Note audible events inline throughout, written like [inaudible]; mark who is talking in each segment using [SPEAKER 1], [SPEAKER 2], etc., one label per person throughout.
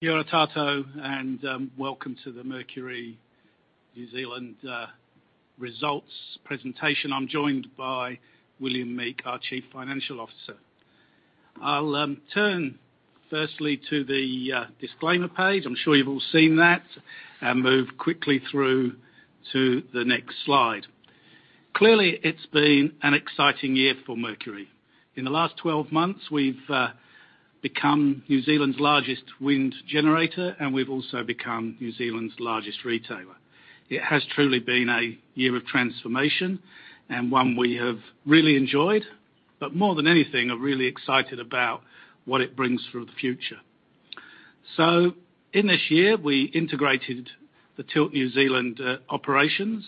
[SPEAKER 1] Kia ora koutou, Welcome to the Mercury NZ results presentation. I'm joined by William Meek, our Chief Financial Officer. I'll turn firstly to the disclaimer page, I'm sure you've all seen that, and move quickly through to the next slide. Clearly, it's been an exciting year for Mercury. In the last 12 months, we've become New Zealand's largest wind generator, and we've also become New Zealand's largest retailer. It has truly been a year of transformation and one we have really enjoyed, but more than anything, are really excited about what it brings for the future. In this year, we integrated the Tilt Renewables New Zealand operations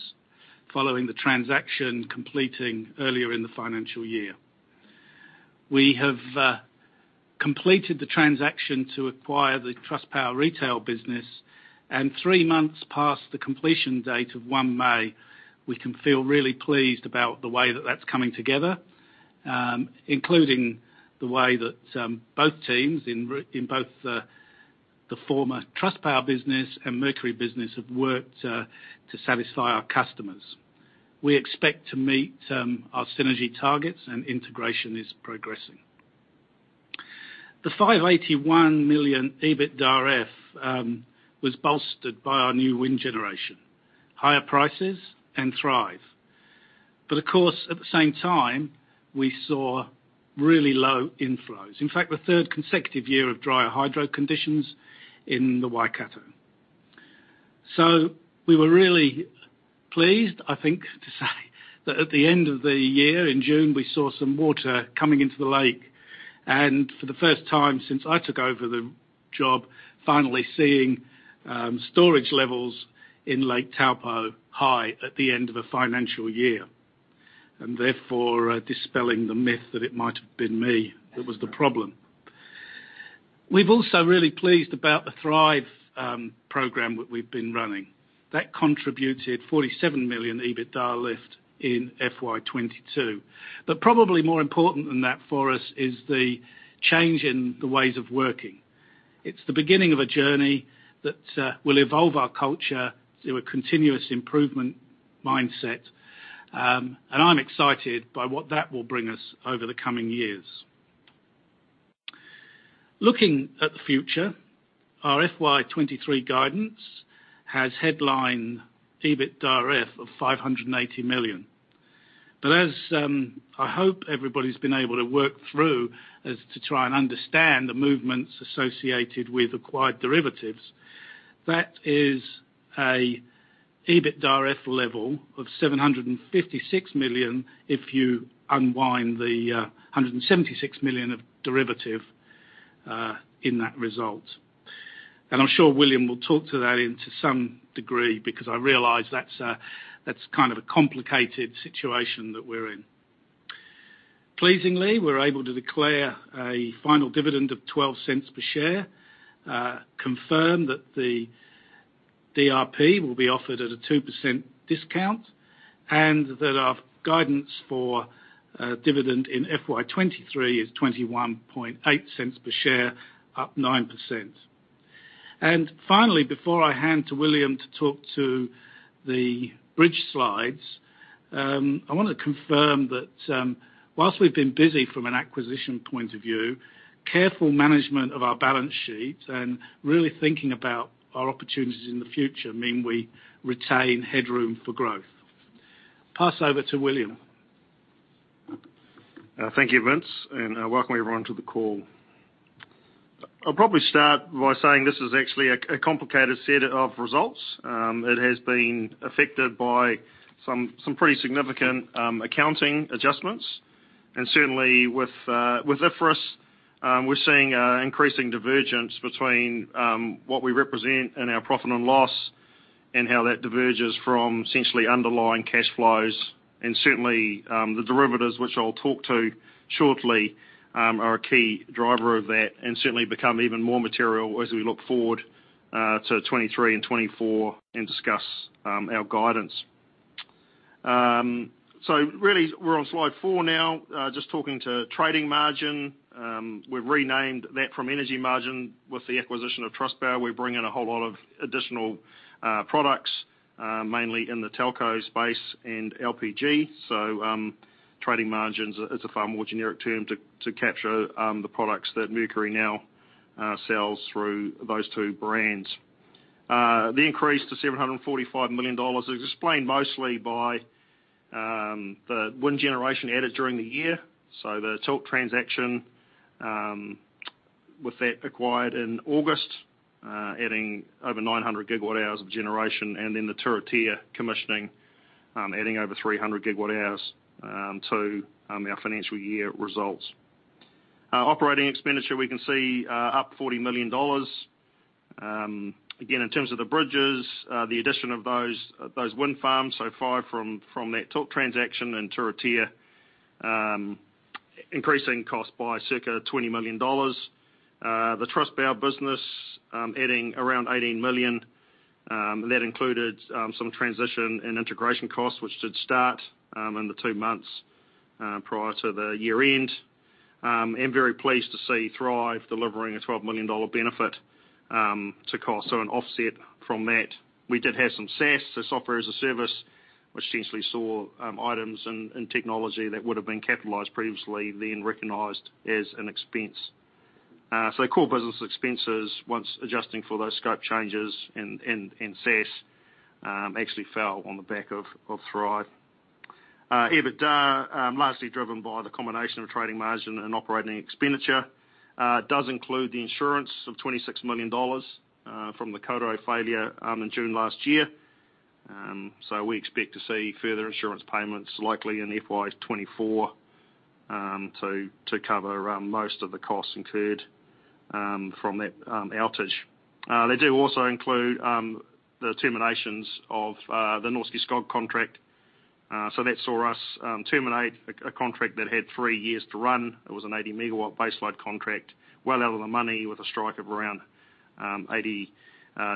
[SPEAKER 1] following the transaction completing earlier in the financial year. We have completed the transaction to acquire the Trustpower retail business, and three months past the completion date of 1 May, we can feel really pleased about the way that that's coming together, including the way that both teams in both the former Trustpower business and Mercury business have worked to satisfy our customers. We expect to meet our synergy targets and integration is progressing. The 581 million EBITDAF was bolstered by our new wind generation, higher prices and Thrive. Of course, at the same time, we saw really low inflows. In fact, the third consecutive year of dry hydro conditions in the Waikato. We were really pleased, I think, to say that at the end of the year, in June, we saw some water coming into the lake. For the first time since I took over the job, finally seeing storage levels in Lake Taupō high at the end of a financial year, and therefore dispelling the myth that it might have been me that was the problem. We're also really pleased about the Thrive program that we've been running. That contributed 47 million EBITDA lift in FY 2022. Probably more important than that for us is the change in the ways of working. It's the beginning of a journey that will evolve our culture through a continuous improvement mindset. I'm excited by what that will bring us over the coming years. Looking at the future, our FY 2023 guidance has headline EBITDAF of NZD 580 million. I hope everybody's been able to work through as to try and understand the movements associated with acquired derivatives, that is an EBITDAF level of 756 million if you unwind the 176 million of derivative in that result. I'm sure William will talk to that into some degree because I realize that's kind of a complicated situation that we're in. Pleasingly, we're able to declare a final dividend of 0.12 per share, confirm that the DRP will be offered at a 2% discount, and that our guidance for a dividend in FY 2023 is 0.218 per share, up 9%. Finally, before I hand to William to talk to the bridge slides, I wanna confirm that, whilst we've been busy from an acquisition point of view, careful management of our balance sheet and really thinking about our opportunities in the future mean we retain headroom for growth. Pass over to William.
[SPEAKER 2] Thank you, Vince, and welcome everyone to the call. I'll probably start by saying this is actually a complicated set of results. It has been affected by some pretty significant accounting adjustments. Certainly with IFRS, we're seeing an increasing divergence between what we represent in our profit and loss and how that diverges from essentially underlying cash flows. Certainly, the derivatives, which I'll talk to shortly, are a key driver of that, and certainly become even more material as we look forward to 2023 and 2024 and discuss our guidance. Really, we're on slide four now, just talking to trading margin. We've renamed that from energy margin with the acquisition of Trustpower. We bring in a whole lot of additional products mainly in the telco space and LPG. Trading margins is a far more generic term to capture the products that Mercury now sells through those two brands. The increase to 745 million dollars is explained mostly by the wind generation added during the year. The Tilt transaction with that acquired in August adding over 900 GWh of generation, and then the Turitea commissioning adding over 300 GWh to our financial year results. Operating expenditure, we can see, up 40 million dollars. Again, in terms of the bridges, the addition of those wind farms from that Tilt transaction in Turitea increasing cost by circa 20 million dollars. The Trustpower business, adding around 18 million. That included some transition and integration costs which did start in the two months prior to the year-end. Very pleased to see Thrive delivering a 12 million dollar benefit to cost. An offset from that. We did have some SaaS, so, Software-as-a-Service, which essentially saw items and technology that would have been capitalized previously, then recognized as an expense. Core business expenses once adjusting for those scope changes and SaaS actually fell on the back of Thrive. EBITDA largely driven by the combination of trading margin and operating expenditure does include the insurance of 26 million dollars from the Kawerau failure in June last year. We expect to see further insurance payments likely in FY 2024 to cover most of the costs incurred from that outage. They do also include the terminations of the Norske Skog contract. That saw us terminate a contract that had three years to run. It was an 80 MW baseload contract, well out of the money with a strike of around 80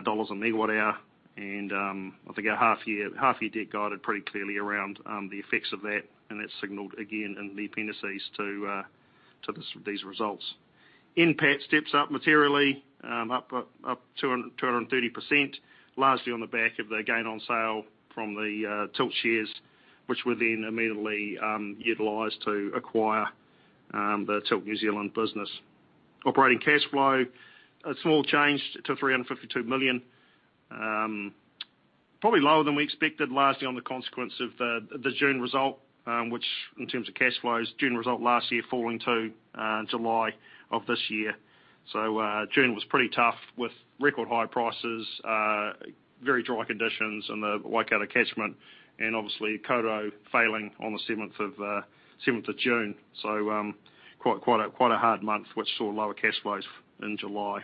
[SPEAKER 2] dollars MWh. I think our half-year debt guide pretty clearly around the effects of that, and that signaled again in the appendices to these results. NPAT steps up materially, up 230%, largely on the back of the gain on sale from the Tilt shares, which were then immediately utilized to acquire the Tilt New Zealand business. Operating cash flow, a small change to 352 million, probably lower than we expected, largely on the consequence of the June result, which in terms of cash flows, June result last year falling to July of this year. June was pretty tough with record high prices, very dry conditions in the Waikato catchment, and obviously Kawerau failing on the seventh of June. Quite a hard month, which saw lower cash flows in July.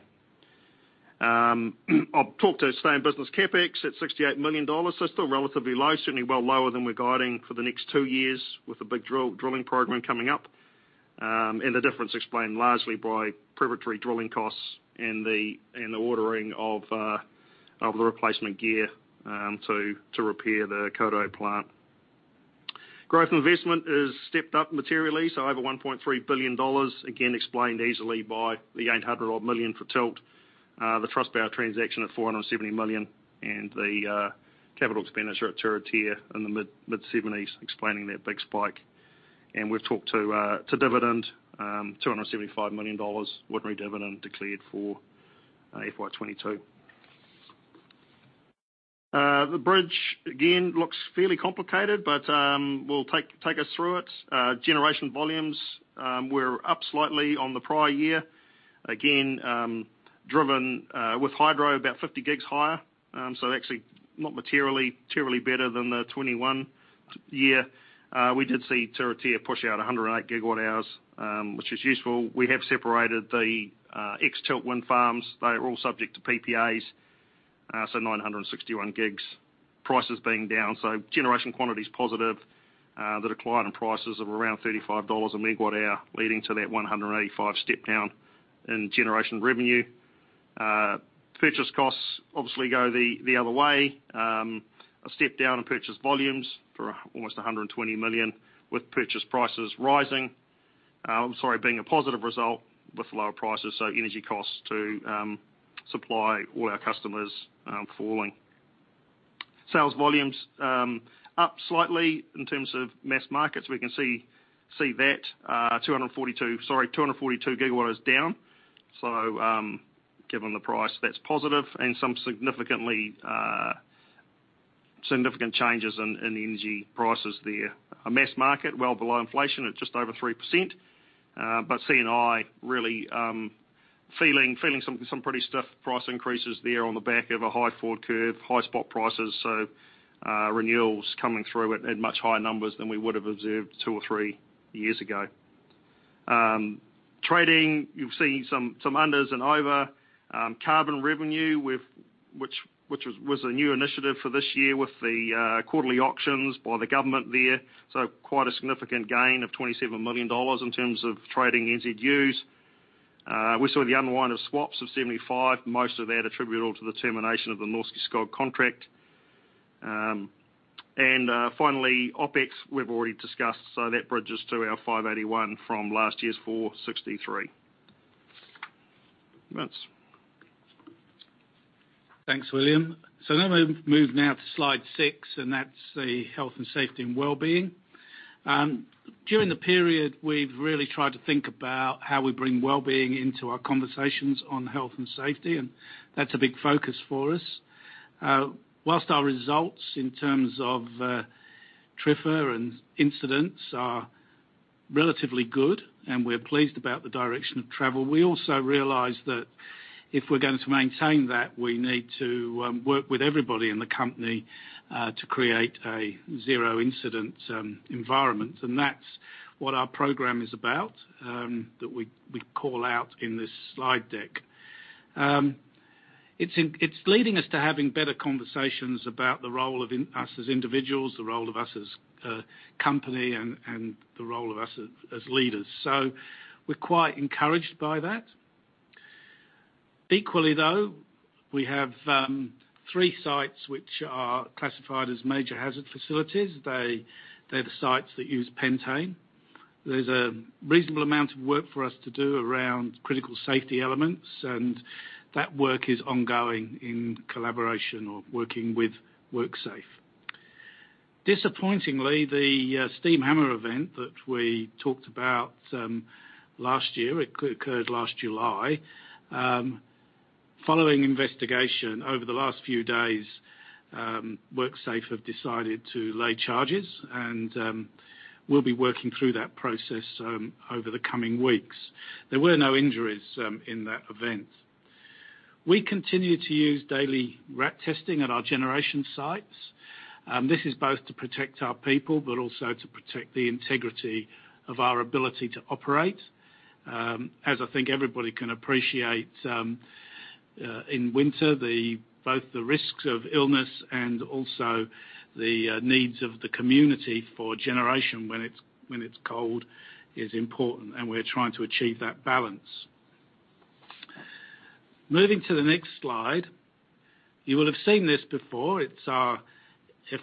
[SPEAKER 2] I've talked to same business CapEx at 68 million dollars. Still relatively low, certainly well lower than we're guiding for the next two years with a big drilling program coming up. The difference explained largely by preparatory drilling costs and the ordering of the replacement gear to repair the Kawerau plant. Growth and investment is stepped up materially, over 1.3 billion dollars, again explained easily by the 800-odd million for Tilt, the Trustpower transaction at 470 million and the capital expenditure at Turitea in the mid-seventies explaining that big spike. We've talked about the dividend, 275 million dollars ordinary dividend declared for FY 2022. The bridge again looks fairly complicated, but we'll take us through it. Generation volumes were up slightly on the prior year. Again, driven with hydro about 50 GWh higher. So actually not materially better than the 2021 year. We did see Turitea push out 108 GWh, which is useful. We have separated the ex-Tilt wind farms. They are all subject to PPAs, so 961 GWh. Prices being down, so generation quantity is positive. The decline in prices of around 35 dollars/MWh, leading to that 185 million step down in generation revenue. Purchase costs obviously go the other way. A step down in purchase volumes for almost 120 million, with purchase prices rising. Sorry, being a positive result with lower prices, so energy costs to supply all our customers falling. Sales volumes up slightly in terms of mass markets. We can see that 242 GW down. Given the price, that's positive and some significant changes in the energy prices there. Mass market well below inflation at just over 3%. C&I really feeling some pretty stiff price increases there on the back of a high forward curve, high spot prices. Renewals coming through at much higher numbers than we would have observed two or three years ago. Trading, you've seen some unders and overs carbon revenue with which was a new initiative for this year with the quarterly auctions by the government there. Quite a significant gain of NZD 27 million in terms of trading NZUs. We saw the unwind of swaps of 75, most of that attributable to the termination of the Norske Skog contract. Finally, OpEx we've already discussed, so that bridges to our 581 from last year's 463. That's.
[SPEAKER 1] Thanks, William. Let me move now to slide six, and that's the health and safety and wellbeing. During the period, we've really tried to think about how we bring wellbeing into our conversations on health and safety, and that's a big focus for us. While our results in terms of TRIFR and incidents are relatively good and we're pleased about the direction of travel, we also realize that if we're going to maintain that, we need to work with everybody in the company to create a zero incident environment. That's what our program is about, that we call out in this slide deck. It's leading us to having better conversations about the role of us as individuals, the role of us as a company and the role of us as leaders. We're quite encouraged by that. Equally though, we have three sites which are classified as major hazard facilities. They're the sites that use pentane. There's a reasonable amount of work for us to do around critical safety elements, and that work is ongoing in collaboration with WorkSafe. Disappointingly, steam hammer event that we talked about last year, it occurred last July. Following investigation over the last few days, WorkSafe have decided to lay charges and we'll be working through that process over the coming weeks. There were no injuries in that event. We continue to use daily RAT testing at our generation sites. This is both to protect our people, but also to protect the integrity of our ability to operate. As I think everybody can appreciate, in winter, both the risks of illness and also the needs of the community for generation when it's cold is important, and we're trying to achieve that balance. Moving to the next slide. You will have seen this before. It's our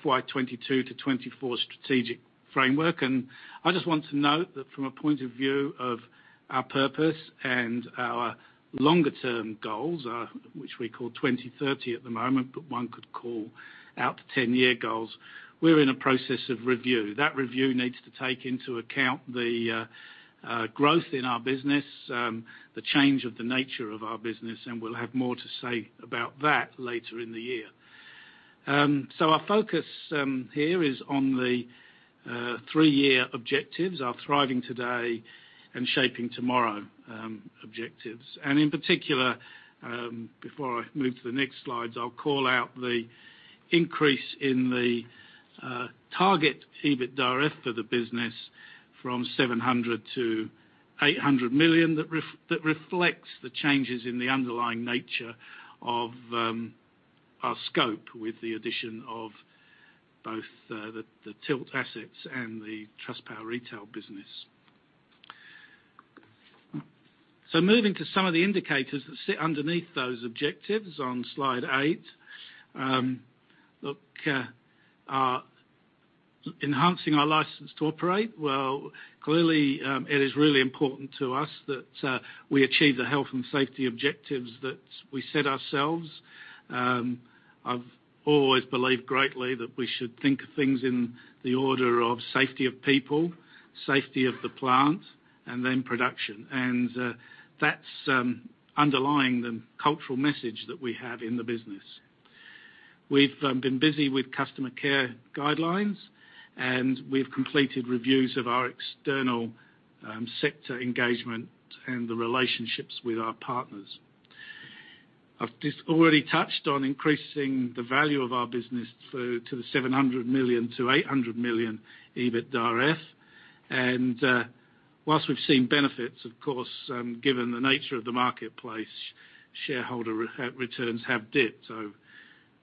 [SPEAKER 1] FY 2022-2024 strategic framework. I just want to note that from a point of view of our purpose and our longer term goals are, which we call 2030 at the moment, but one could call out to 10-year goals. We're in a process of review. That review needs to take into account the growth in our business, the change of the nature of our business, and we'll have more to say about that later in the year. Our focus here is on the three-year objectives, our thriving today and shaping tomorrow objectives. In particular, before I move to the next slides, I'll call out the increase in the target EBITDAF for the business from 700 million to 800 million that reflects the changes in the underlying nature of our scope with the addition of both the Tilt assets and the Trustpower retail business. Moving to some of the indicators that sit underneath those objectives on slide eight. Look, enhancing our license to operate, well, clearly, it is really important to us that we achieve the health and safety objectives that we set ourselves. I've always believed greatly that we should think of things in the order of safety of people, safety of the plant, and then production. That's underlying the cultural message that we have in the business. We've been busy with customer care guidelines, and we've completed reviews of our external sector engagement and the relationships with our partners. I've just already touched on increasing the value of our business through to the 700 million-800 million EBITDAF. While we've seen benefits, of course, given the nature of the marketplace, shareholder returns have dipped.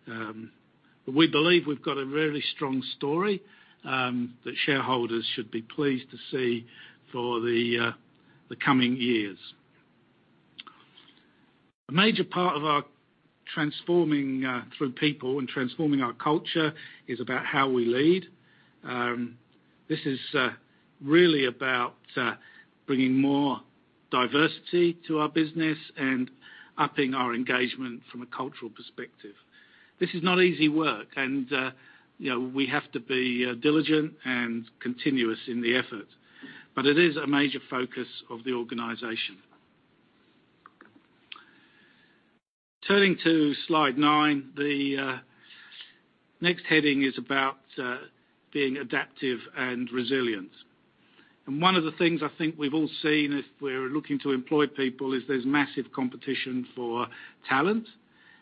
[SPEAKER 1] But we believe we've got a really strong story that shareholders should be pleased to see for the coming years. A major part of our transforming through people and transforming our culture is about how we lead. This is really about bringing more diversity to our business and upping our engagement from a cultural perspective. This is not easy work and, you know, we have to be diligent and continuous in the effort, but it is a major focus of the organization. Turning to slide nine, the next heading is about being adaptive and resilient. One of the things I think we've all seen as we're looking to employ people is there's massive competition for talent.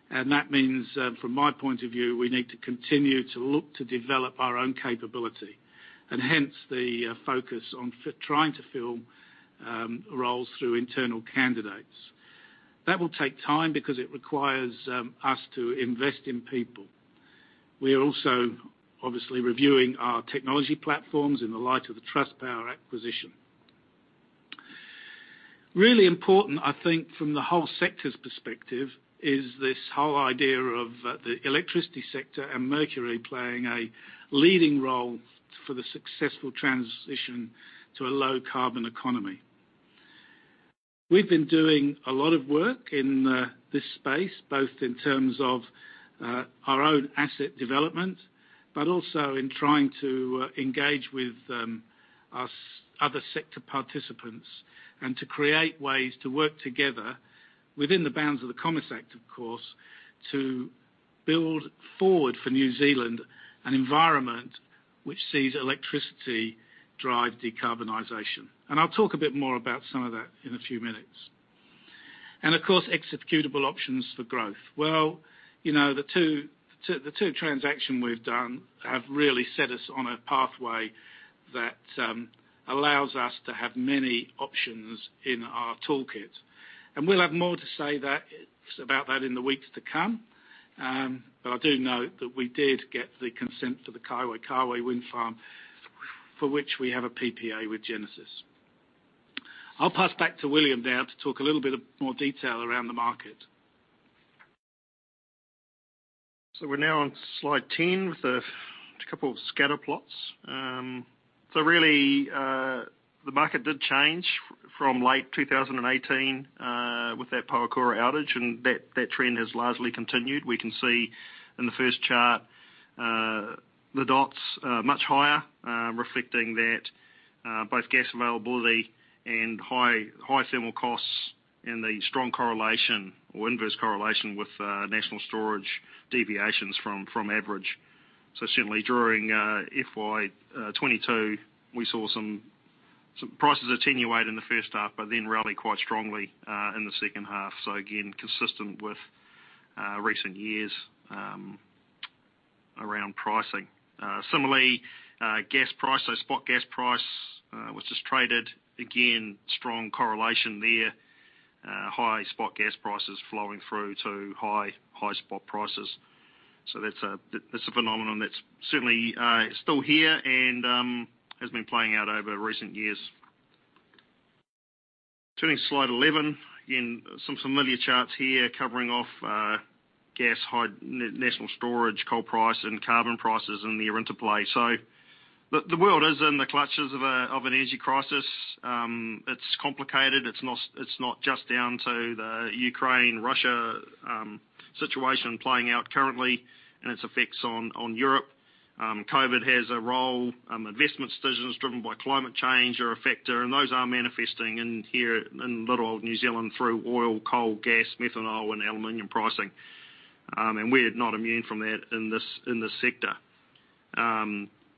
[SPEAKER 1] That means, from my point of view, we need to continue to look to develop our own capability, and hence the focus on trying to fill roles through internal candidates. That will take time because it requires us to invest in people. We are also obviously reviewing our technology platforms in the light of the Trustpower acquisition. Really important, I think, from the whole sector's perspective is this whole idea of the electricity sector and Mercury playing a leading role for the successful transition to a low carbon economy. We've been doing a lot of work in this space, both in terms of our own asset development, but also in trying to engage with other sector participants and to create ways to work together within the bounds of the Commerce Act, of course, to build forward for New Zealand an environment which sees electricity drive decarbonization. I'll talk a bit more about some of that in a few minutes. Of course, executable options for growth. Well, you know, the two transactions we've done have really set us on a pathway that allows us to have many options in our toolkit. We'll have more to say about that in the weeks to come. I do note that we did get the consent for the Kaiwaikawe Wind Farm for which we have a PPA with Genesis. I'll pass back to William now to talk a little bit more detail around the market.
[SPEAKER 2] We're now on slide 10 with a couple of scatter plots. Really, the market did change from late 2018 with that Pohokura outage, and that trend has largely continued. We can see in the first chart the dots are much higher reflecting that both gas availability and high thermal costs, and the strong correlation or inverse correlation with national storage deviations from average. Certainly during FY 22, we saw some prices attenuate in the first half, but then rally quite strongly in the second half. Again, consistent with recent years around pricing. Similarly, gas price or spot gas price was just traded. Again, strong correlation there. High spot gas prices flowing through to high spot prices. That's a phenomenon that's certainly still here and has been playing out over recent years. Turning to slide 11. Again, some familiar charts here covering off gas, hydro, national storage, coal price, and carbon prices, and their interplay. The world is in the clutches of an energy crisis. It's complicated. It's not just down to the Ukraine-Russia situation playing out currently and its effects on Europe. COVID has a role. Investment decisions driven by climate change are a factor, and those are manifesting in here in little old New Zealand through oil, coal, gas, methanol, and aluminum pricing. We're not immune from that in this sector.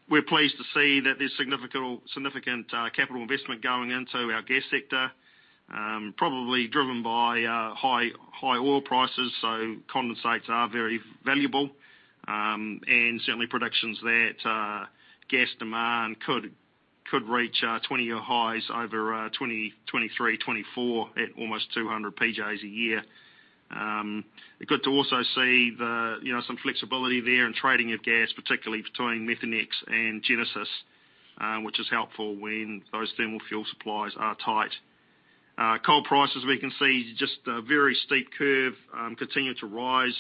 [SPEAKER 2] We're pleased to see that there's significant capital investment going into our gas sector, probably driven by high oil prices, so condensates are very valuable. Certainly predictions that gas demand could reach 20-year highs over 2023, 2024 at almost 200 PJs a year. Good to also see the, you know, some flexibility there in trading of gas, particularly between Methanex and Genesis, which is helpful when those thermal fuel supplies are tight. Coal prices, we can see just a very steep curve continue to rise.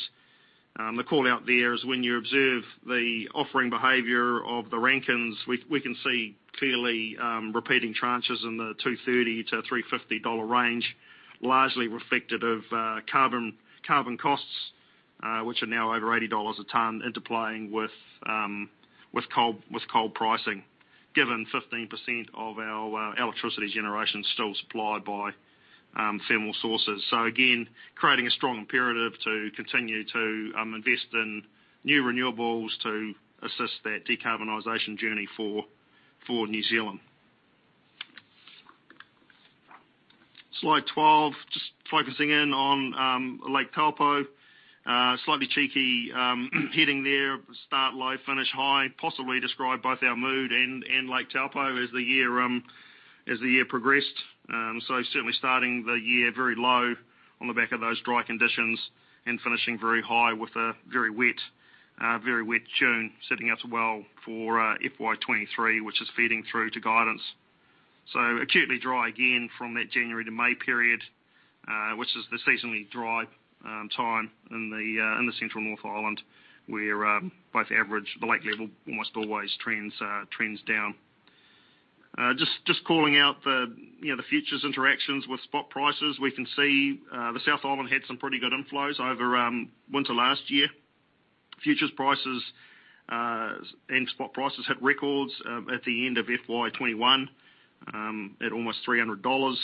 [SPEAKER 2] The call out there is when you observe the offering behavior of the Rankine units, we can see clearly repeating tranches in the 230-350 dollar range, largely reflective of carbon costs, which are now over 80 dollars a ton interplaying with coal pricing, given 15% of our electricity generation is still supplied by thermal sources. Again, creating a strong imperative to continue to invest in new renewables to assist that decarbonization journey for New Zealand. Slide 12, just focusing in on Lake Taupō. Slightly cheeky, hitting there, start low, finish high, possibly describe both our mood and Lake Taupō as the year progressed. Certainly starting the year very low on the back of those dry conditions and finishing very high with a very wet June, setting up well for FY 2023, which is feeding through to guidance. Acutely dry again from that January to May period, which is the seasonally dry time in the central North Island, where the lake level almost always trends down. Just calling out the, you know, the futures interactions with spot prices. We can see the South Island had some pretty good inflows over winter last year. Futures prices and spot prices hit records at the end of FY 2021 at almost 300 dollars.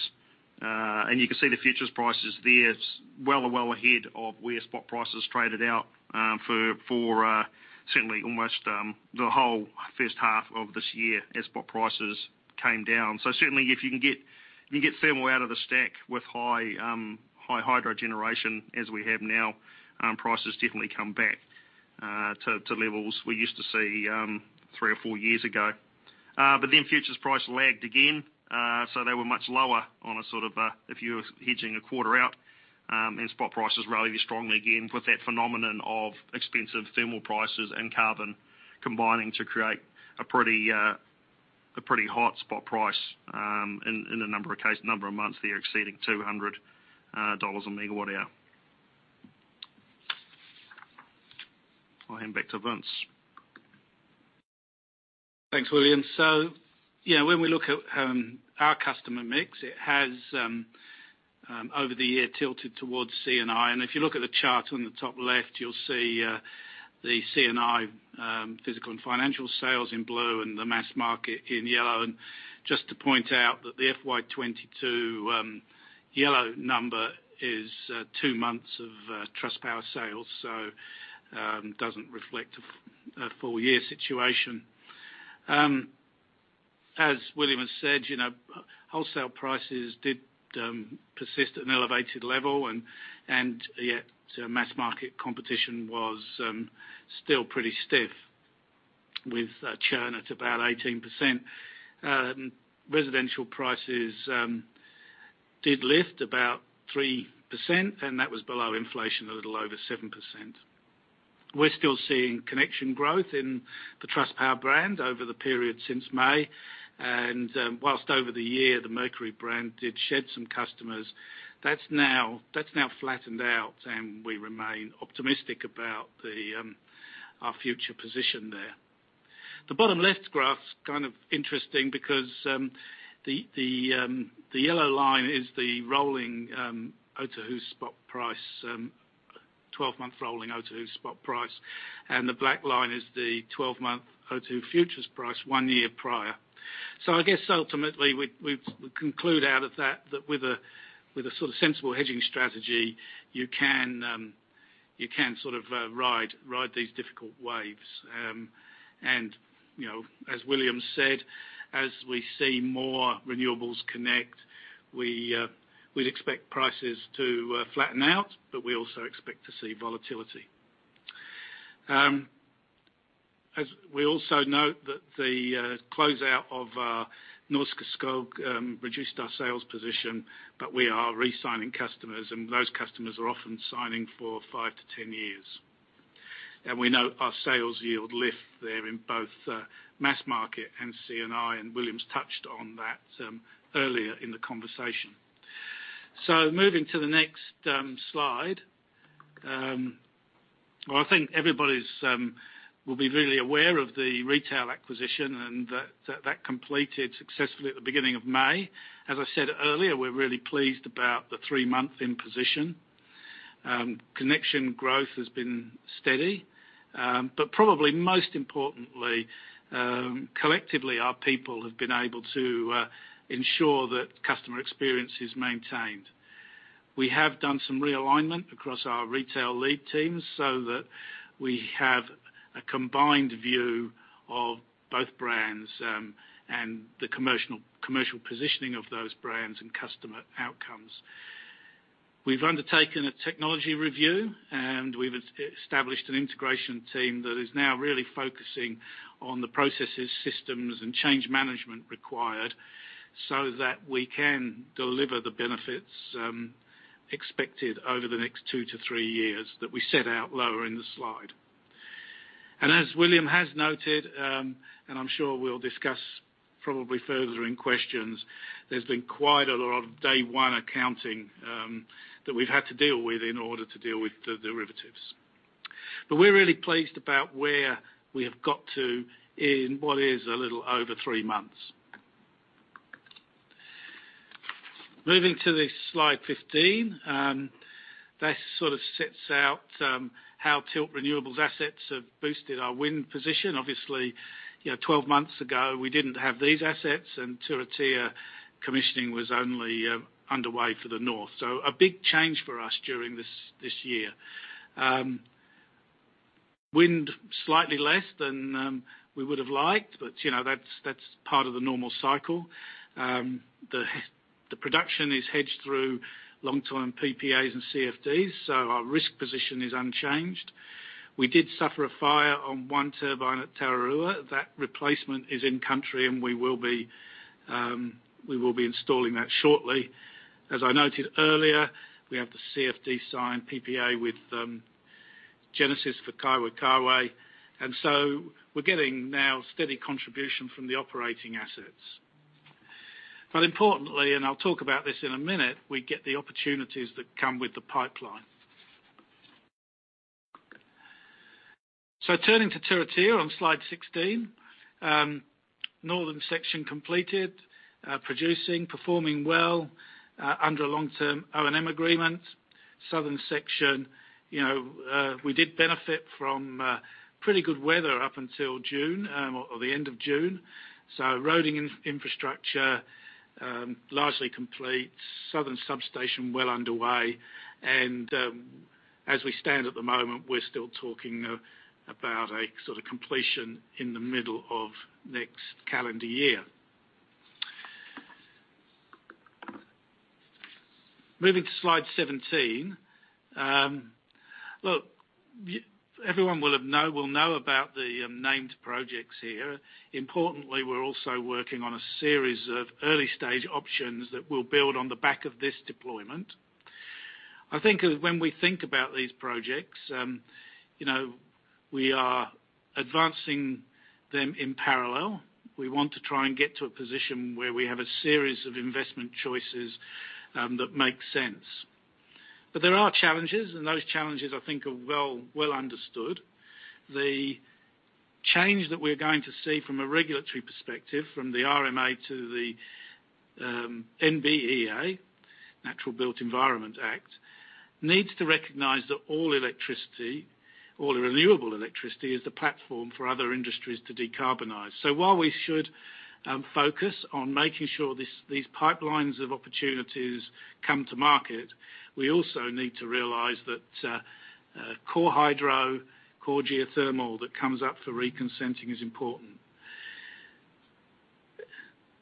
[SPEAKER 2] You can see the futures prices there. It's well ahead of where spot prices traded out for certainly almost the whole first half of this year as spot prices came down. Certainly if you can get thermal out of the stack with high hydro generation as we have now, prices definitely come back to levels we used to see three or four years ago. Futures price lagged again, so they were much lower on a sort of if you're hedging a quarter out, and spot prices rallied strongly again with that phenomenon of expensive thermal prices and carbon combining to create a pretty hot spot price in a number of months there exceeding 200 dollars/MWh. I hand back to Vince.
[SPEAKER 1] Thanks, William. You know, when we look at our customer mix, it has over the year tilted towards C&I. If you look at the chart on the top left, you'll see the C&I physical and financial sales in blue and the mass market in yellow. Just to point out that the FY 2022 yellow number is two months of Trustpower sales, so doesn't reflect a full year situation. As William has said, you know, wholesale prices did persist at an elevated level and yet mass market competition was still pretty stiff with churn at about 18%. Residential prices did lift about 3%, and that was below inflation, a little over 7%. We're still seeing connection growth in the Trustpower brand over the period since May. While over the year, the Mercury brand did shed some customers, that's now flattened out, and we remain optimistic about our future position there. The bottom left graph's kind of interesting because the yellow line is the rolling twelve-month Otahuhu spot price, and the black line is the twelve-month Otahuhu futures price one year prior. I guess ultimately we conclude out of that with a sort of sensible hedging strategy, you can sort of ride these difficult waves. You know, as William said, as we see more renewables connect, we'd expect prices to flatten out, but we also expect to see volatility. As we also note that the closeout of Norske Skog reduced our sales position, but we are re-signing customers, and those customers are often signing for five to 10 years. We know our sales yield lift there in both mass market and C&I, and William's touched on that earlier in the conversation. Moving to the next slide. Well, I think everybody will be really aware of the retail acquisition and that completed successfully at the beginning of May. As I said earlier, we're really pleased about the three months in position. Connection growth has been steady. Probably most importantly, collectively, our people have been able to ensure that customer experience is maintained. We have done some realignment across our retail lead teams so that we have a combined view of both brands, and the commercial positioning of those brands and customer outcomes. We've undertaken a technology review, and we've established an integration team that is now really focusing on the processes, systems, and change management required so that we can deliver the benefits expected over the next two-three years that we set out lower in the slide. As William has noted, and I'm sure we'll discuss probably further in questions, there's been quite a lot of day-one accounting that we've had to deal with in order to deal with the derivatives. We're really pleased about where we have got to in what is a little over three months. Moving to the slide 15, that sort of sets out how Tilt Renewables assets have boosted our wind position. Obviously, you know, 12 months ago, we didn't have these assets, and Turitea commissioning was only underway for the north. A big change for us during this year. Wind slightly less than we would have liked, but you know, that's part of the normal cycle. The production is hedged through long-term PPAs and CFDs, so our risk position is unchanged. We did suffer a fire on one turbine at Tararua. That replacement is in country, and we will be installing that shortly. As I noted earlier, we have the CFD signed PPA with Genesis for Kaiwaikawe. We're getting now steady contribution from the operating assets. Importantly, and I'll talk about this in a minute, we get the opportunities that come with the pipeline. Turning to Turitea on slide 16, northern section completed, producing, performing well, under a long-term O&M agreement. Southern section, you know, we did benefit from pretty good weather up until June, or the end of June. Roading infrastructure largely complete. Southern substation well underway. As we stand at the moment, we're still talking about a sort of completion in the middle of next calendar year. Moving to slide 17. Look, everyone will know about the named projects here. Importantly, we're also working on a series of early-stage options that will build on the back of this deployment. I think when we think about these projects, you know, we are advancing them in parallel. We want to try and get to a position where we have a series of investment choices that make sense. There are challenges, and those challenges I think are well understood. The change that we're going to see from a regulatory perspective, from the RMA to the NBEA, Natural and Built Environment Act, needs to recognize that all electricity, all renewable electricity is the platform for other industries to decarbonize. While we should focus on making sure these pipelines of opportunities come to market, we also need to realize that core hydro, core geothermal that comes up for reconsenting is important.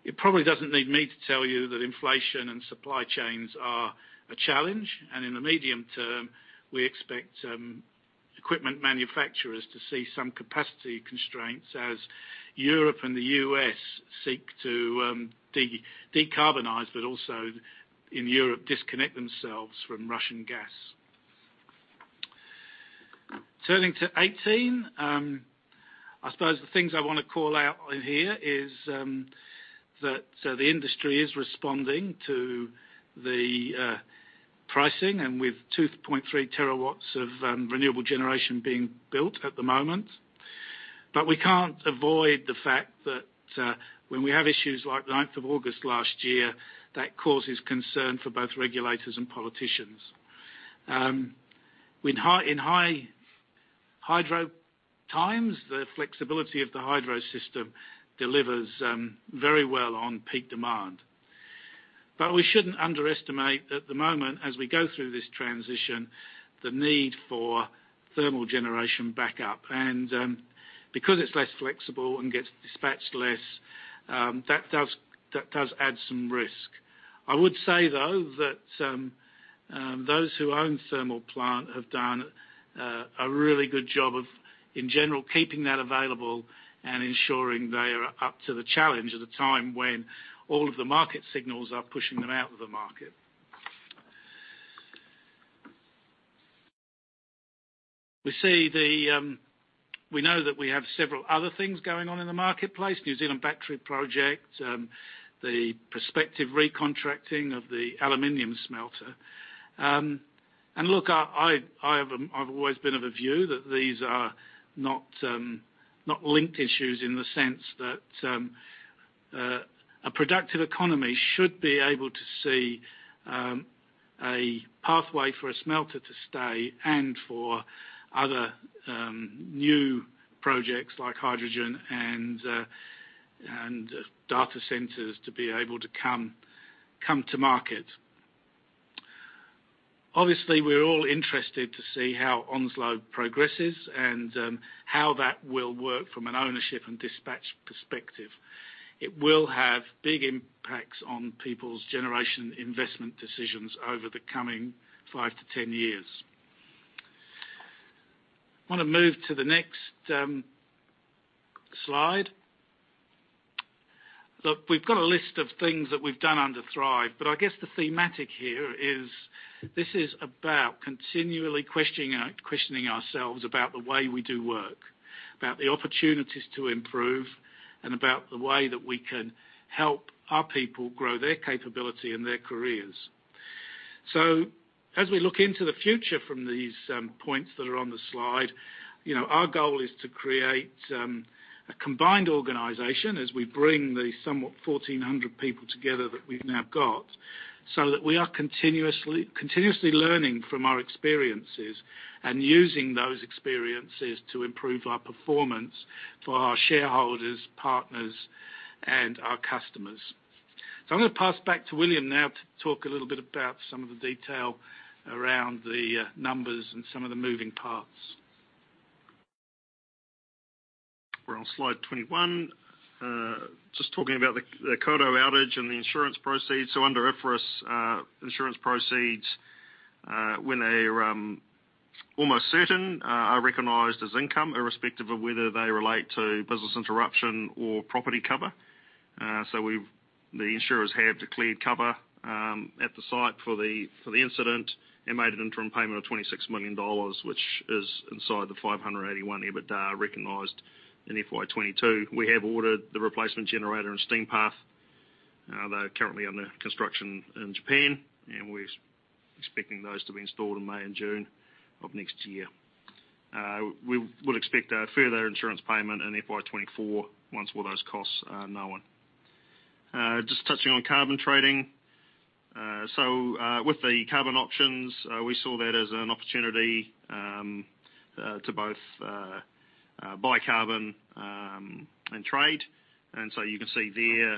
[SPEAKER 1] It probably doesn't need me to tell you that inflation and supply chains are a challenge, and in the medium term, we expect equipment manufacturers to see some capacity constraints as Europe and the U.S. seek to decarbonize, but also in Europe, disconnect themselves from Russian gas. Turning to 18, I suppose the things I wanna call out in here is that so the industry is responding to the pricing and with 2.3 TW of renewable generation being built at the moment. We can't avoid the fact that when we have issues like ninth of August last year, that causes concern for both regulators and politicians. In high hydro times, the flexibility of the hydro system delivers very well on peak demand. We shouldn't underestimate at the moment as we go through this transition, the need for thermal generation backup. Because it's less flexible and gets dispatched less, that does add some risk. I would say, though, that those who own thermal plant have done a really good job of, in general, keeping that available and ensuring they are up to the challenge at a time when all of the market signals are pushing them out of the market. We know that we have several other things going on in the marketplace, NZ Battery Project, the prospective recontracting of the aluminum smelter. Look, I've always been of a view that these are not linked issues in the sense that a productive economy should be able to see a pathway for a smelter to stay and for other new projects like hydrogen and data centers to be able to come to market. Obviously, we're all interested to see how Onslow progresses and how that will work from an ownership and dispatch perspective. It will have big impacts on people's generation investment decisions over the coming five-10 years. Wanna move to the next slide. Look, we've got a list of things that we've done under Thrive, but I guess the thematic here is this is about continually questioning ourselves about the way we do work, about the opportunities to improve, and about the way that we can help our people grow their capability and their careers. As we look into the future from these points that are on the slide, you know, our goal is to create a combined organization as we bring the somewhat 1,400 people together that we've now got, so that we are continuously learning from our experiences and using those experiences to improve our performance for our shareholders, partners, and our customers. I'm gonna pass back to William now to talk a little bit about some of the detail around the numbers and some of the moving parts.
[SPEAKER 2] We're on slide 21. Just talking about the Kawerau outage and the insurance proceeds. Under IFRS, insurance proceeds when they are almost certain are recognized as income, irrespective of whether they relate to business interruption or property cover. The insurers have declared cover at the site for the incident and made an interim payment of 26 million dollars, which is inside the 581 million EBITDA recognized in FY 2022. We have ordered the replacement generator and steam path. They are currently under construction in Japan, and we're expecting those to be installed in May and June of next year. We would expect a further insurance payment in FY 2024 once all those costs are known. Just touching on carbon trading. With the carbon options, we saw that as an opportunity to both buy carbon and trade. You can see there,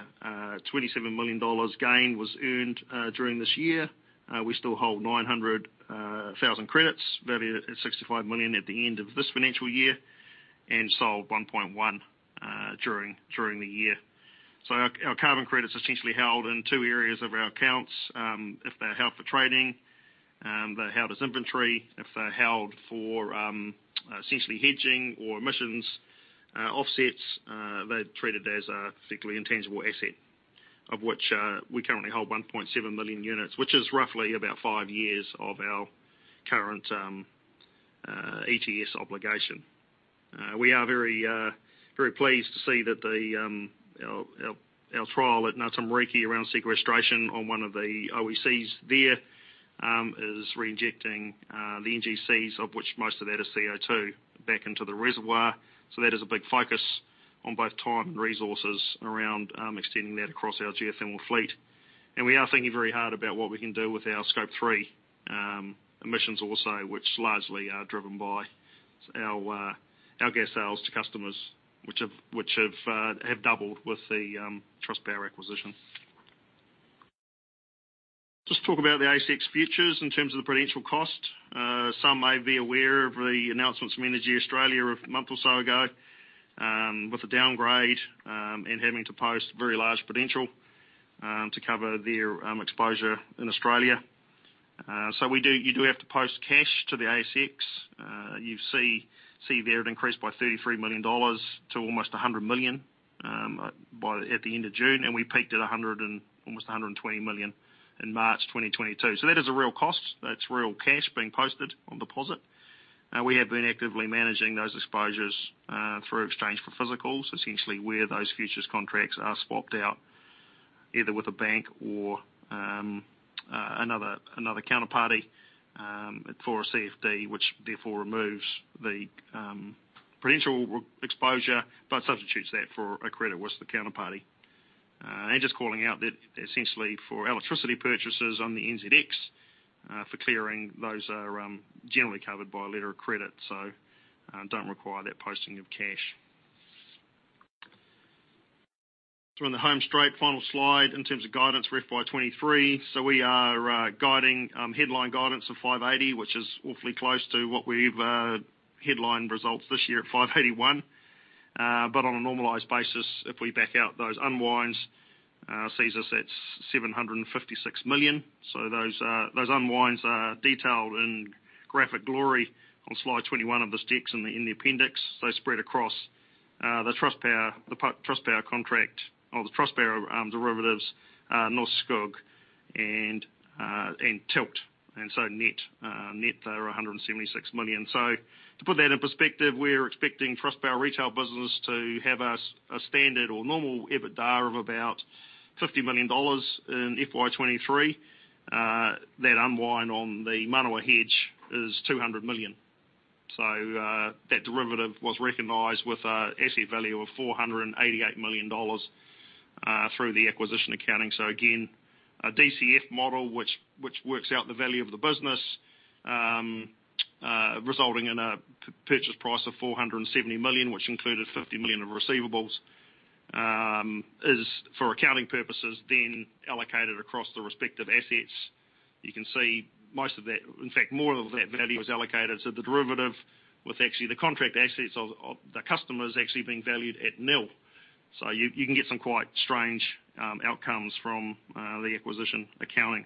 [SPEAKER 2] a 27 million dollars gain was earned during this year. We still hold 900,000 credits, valued at 65 million at the end of this financial year and sold 1.1 during the year. Our carbon credits essentially held in two areas of our accounts. If they're held for trading, they're held as inventory. If they're held for essentially hedging or emissions offsets, they're treated as a particular intangible asset, of which we currently hold 1.7 million units, which is roughly about five years of our current ETS obligation. We are very pleased to see that our trial at Ngatamariki around sequestration on one of the OECs there is reinjecting the NCGs, of which most of that is CO2, back into the reservoir. That is a big focus on both time and resources around extending that across our geothermal fleet. We are thinking very hard about what we can do with our Scope 3 emissions also, which largely are driven by our gas sales to customers, which have doubled with the Trustpower acquisition. Just talk about the ASX futures in terms of the prudential cost. Some may be aware of the announcements from EnergyAustralia a month or so ago, with a downgrade, and having to post very large prudential, to cover their, exposure in Australia. We do, you do have to post cash to the ASX. You see there, it increased by 33 million dollars to almost 100 million, at the end of June, and we peaked at 100 million and almost 120 million in March 2022. That is a real cost. That's real cash being posted on deposit. We have been actively managing those exposures through exchange for physicals, essentially where those futures contracts are swapped out either with a bank or another counterparty for a CFD, which therefore removes the prudential risk exposure, but substitutes that for a credit with the counterparty. Just calling out that essentially for electricity purchases on the NZX for clearing, those are generally covered by a letter of credit, so don't require that posting of cash. In the home straight, final slide in terms of guidance for FY 2023. We are guiding headline guidance of 580 million, which is awfully close to what we've headlined results this year at 581 million. But on a normalized basis, if we back out those unwinds, sees us at 756 million. Those unwinds are detailed in graphic glory on slide 21 of this deck in the appendix. They spread across the Trustpower, the Trustpower contract or the Trustpower derivatives, Norske Skog and Tilt. Net they are 176 million. To put that in perspective, we're expecting Trustpower retail business to have a standard or normal EBITDA of about 50 million dollars in FY 2023. That unwind on the Manawa hedge is 200 million. That derivative was recognized with an asset value of 488 million dollars through the acquisition accounting. Again, a DCF model, which works out the value of the business, resulting in a purchase price of 470 million, which included 50 million of receivables, is for accounting purposes, then allocated across the respective assets. You can see most of that, in fact, more of that value is allocated. The derivative with actually the contract assets of the customers actually being valued at nil. You can get some quite strange outcomes from the acquisition accounting.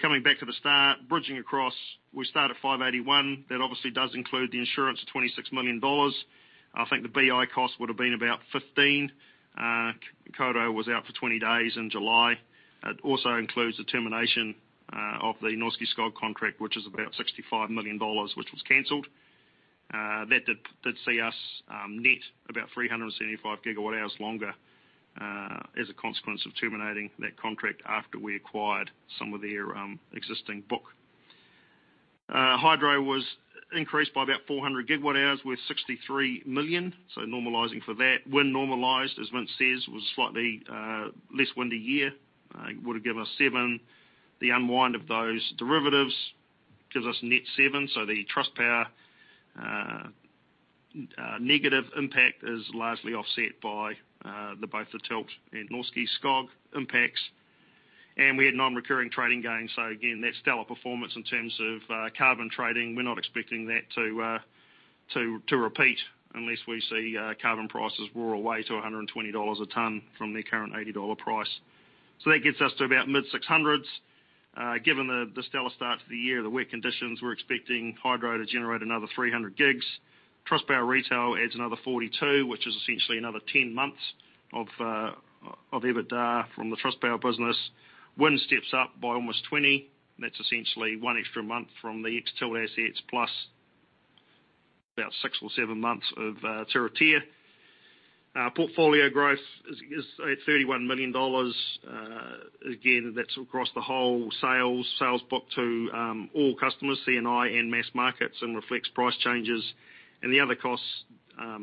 [SPEAKER 2] Coming back to the start, bridging across, we start at 581. That obviously does include the insurance of 26 million dollars. I think the BI cost would have been about 15. Kawerau was out for 20 days in July. It also includes the termination of the Norske Skog contract, which is about 65 million dollars, which was canceled. That did see us net about 375 GWh longer as a consequence of terminating that contract after we acquired some of their existing book. Hydro was increased by about 400 GWh with 63 million. Normalizing for that. Wind normalized, as Vince says, was a slightly less windy year. It would have given us 7 GWh. The unwind of those derivatives gives us net 7 GWh. The Trustpower negative impact is largely offset by both the Tilt and Norske Skog impacts. We had non-recurring trading gains. Again, that stellar performance in terms of carbon trading, we're not expecting that to repeat unless we see carbon prices roar away to 120 dollars a ton from their current 80 dollar price. That gets us to about mid-600s. Given the stellar start to the year, the wet conditions, we're expecting hydro to generate another 300 gigs. Trustpower retail adds another 42, which is essentially another 10 months of EBITDA from the Trustpower business. Wind steps up by almost 20. That's essentially one extra month from the ex-Tilt assets plus about six or seven months of Turitea. Portfolio growth is at 31 million dollars. Again, that's across the whole sales book to all customers, C&I and mass markets, and reflects price changes. The other costs,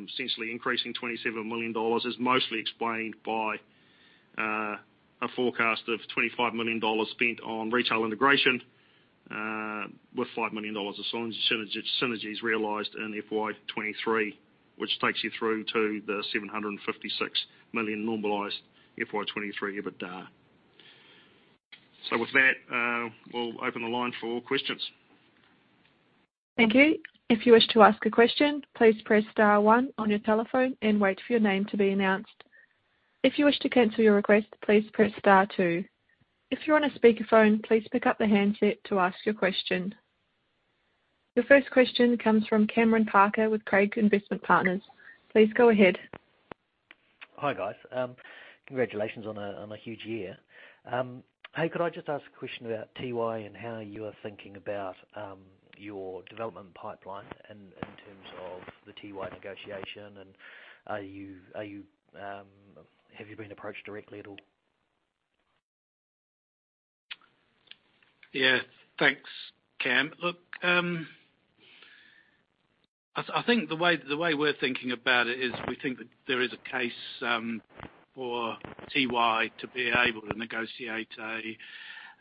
[SPEAKER 2] essentially increasing 27 million dollars, is mostly explained by a forecast of 25 million dollars spent on retail integration, with 5 million dollars of synergies realized in FY 2023, which takes you through to 756 million normalized FY 2023 EBITDA. With that, we'll open the line for questions.
[SPEAKER 3] Thank you. If you wish to ask a question, please press star one on your telephone and wait for your name to be announced. If you wish to cancel your request, please press star two. If you're on a speakerphone, please pick up the handset to ask your question. Your first question comes from Cameron Parker with Craigs Investment Partners. Please go ahead.
[SPEAKER 4] Hi, guys. Congratulations on a huge year. Hey, could I just ask a question about Tiwai and how you are thinking about your development pipeline in terms of the Tiwai negotiation? Have you been approached directly at all?
[SPEAKER 1] Yeah. Thanks, Cam. Look, I think the way we're thinking about it is we think that there is a case for Tiwai to be able to negotiate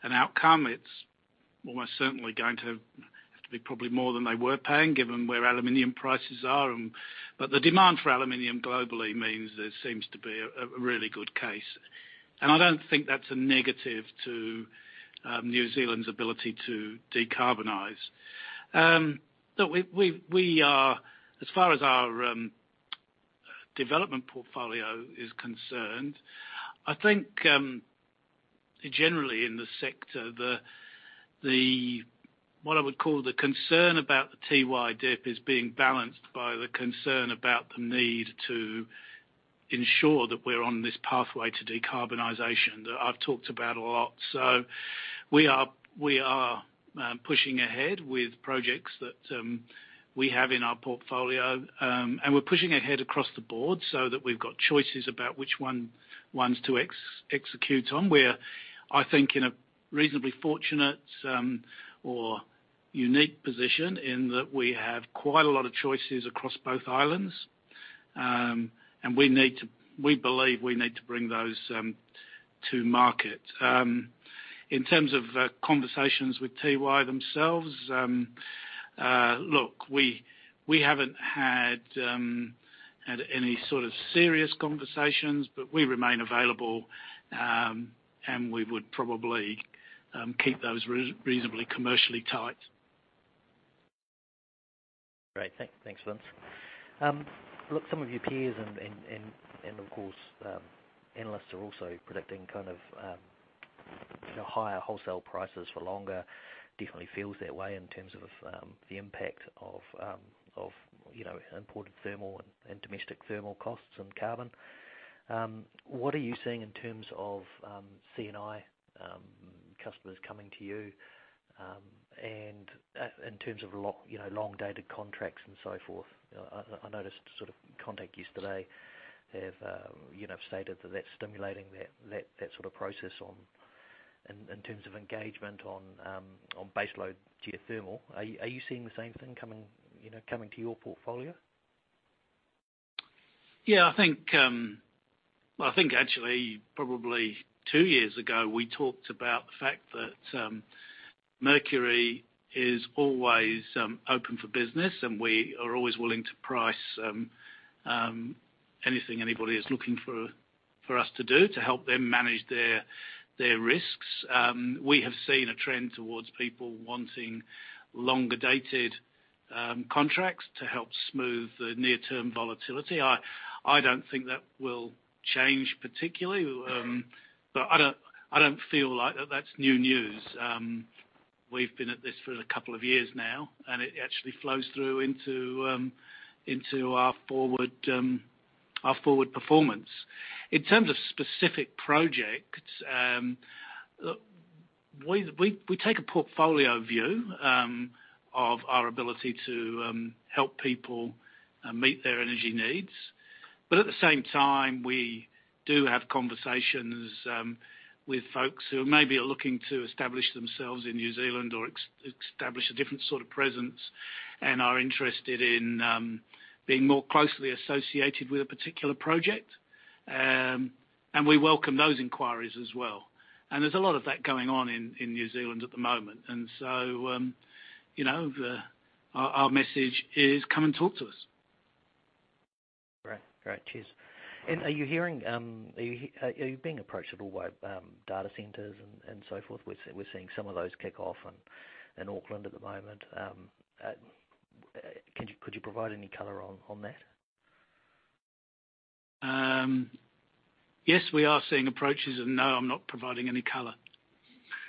[SPEAKER 1] an outcome. It's almost certainly going to have to be probably more than they were paying, given where aluminum prices are. But the demand for aluminum globally means there seems to be a really good case. I don't think that's a negative to New Zealand's ability to decarbonize. Look, we are as far as our development portfolio is concerned. I think generally in the sector, the what I would call the concern about the Tiwai dip is being balanced by the concern about the need to ensure that we're on this pathway to decarbonization, that I've talked about a lot. We are pushing ahead with projects that we have in our portfolio. We're pushing ahead across the board so that we've got choices about which ones to execute on. We're, I think, in a reasonably fortunate or unique position in that we have quite a lot of choices across both islands. We believe we need to bring those to market. In terms of conversations with Tiwai themselves, we haven't had any sort of serious conversations, but we remain available, and we would probably keep those reasonably commercially tight.
[SPEAKER 4] Great. Thanks, Vince. Look, some of your peers and of course analysts are also predicting kind of you know higher wholesale prices for longer. Definitely feels that way in terms of the impact of you know imported thermal and domestic thermal costs and carbon. What are you seeing in terms of C&I customers coming to you and in terms of you know long-dated contracts and so forth? I noticed a sort of Contact yesterday have you know stated that that's stimulating that sort of process on in terms of engagement on baseload geothermal. Are you seeing the same thing coming you know to your portfolio?
[SPEAKER 1] Yeah, I think, well, I think actually probably two years ago, we talked about the fact that, Mercury is always open for business, and we are always willing to price anything anybody is looking for us to do to help them manage their risks. We have seen a trend towards people wanting longer-dated contracts to help smooth the near-term volatility. I don't think that will change particularly. But I don't feel like that's new news. We've been at this for a couple of years now, and it actually flows through into our forward performance. In terms of specific projects, look, we take a portfolio view of our ability to help people meet their energy needs. At the same time, we do have conversations with folks who maybe are looking to establish themselves in New Zealand or re-establish a different sort of presence and are interested in being more closely associated with a particular project. We welcome those inquiries as well. There's a lot of that going on in New Zealand at the moment. You know, our message is come and talk to us.
[SPEAKER 4] Great. Cheers. Are you being approached at all by data centers and so forth? We're seeing some of those kick off in Auckland at the moment. Could you provide any color on that?
[SPEAKER 1] Yes, we are seeing approaches, and no, I'm not providing any color.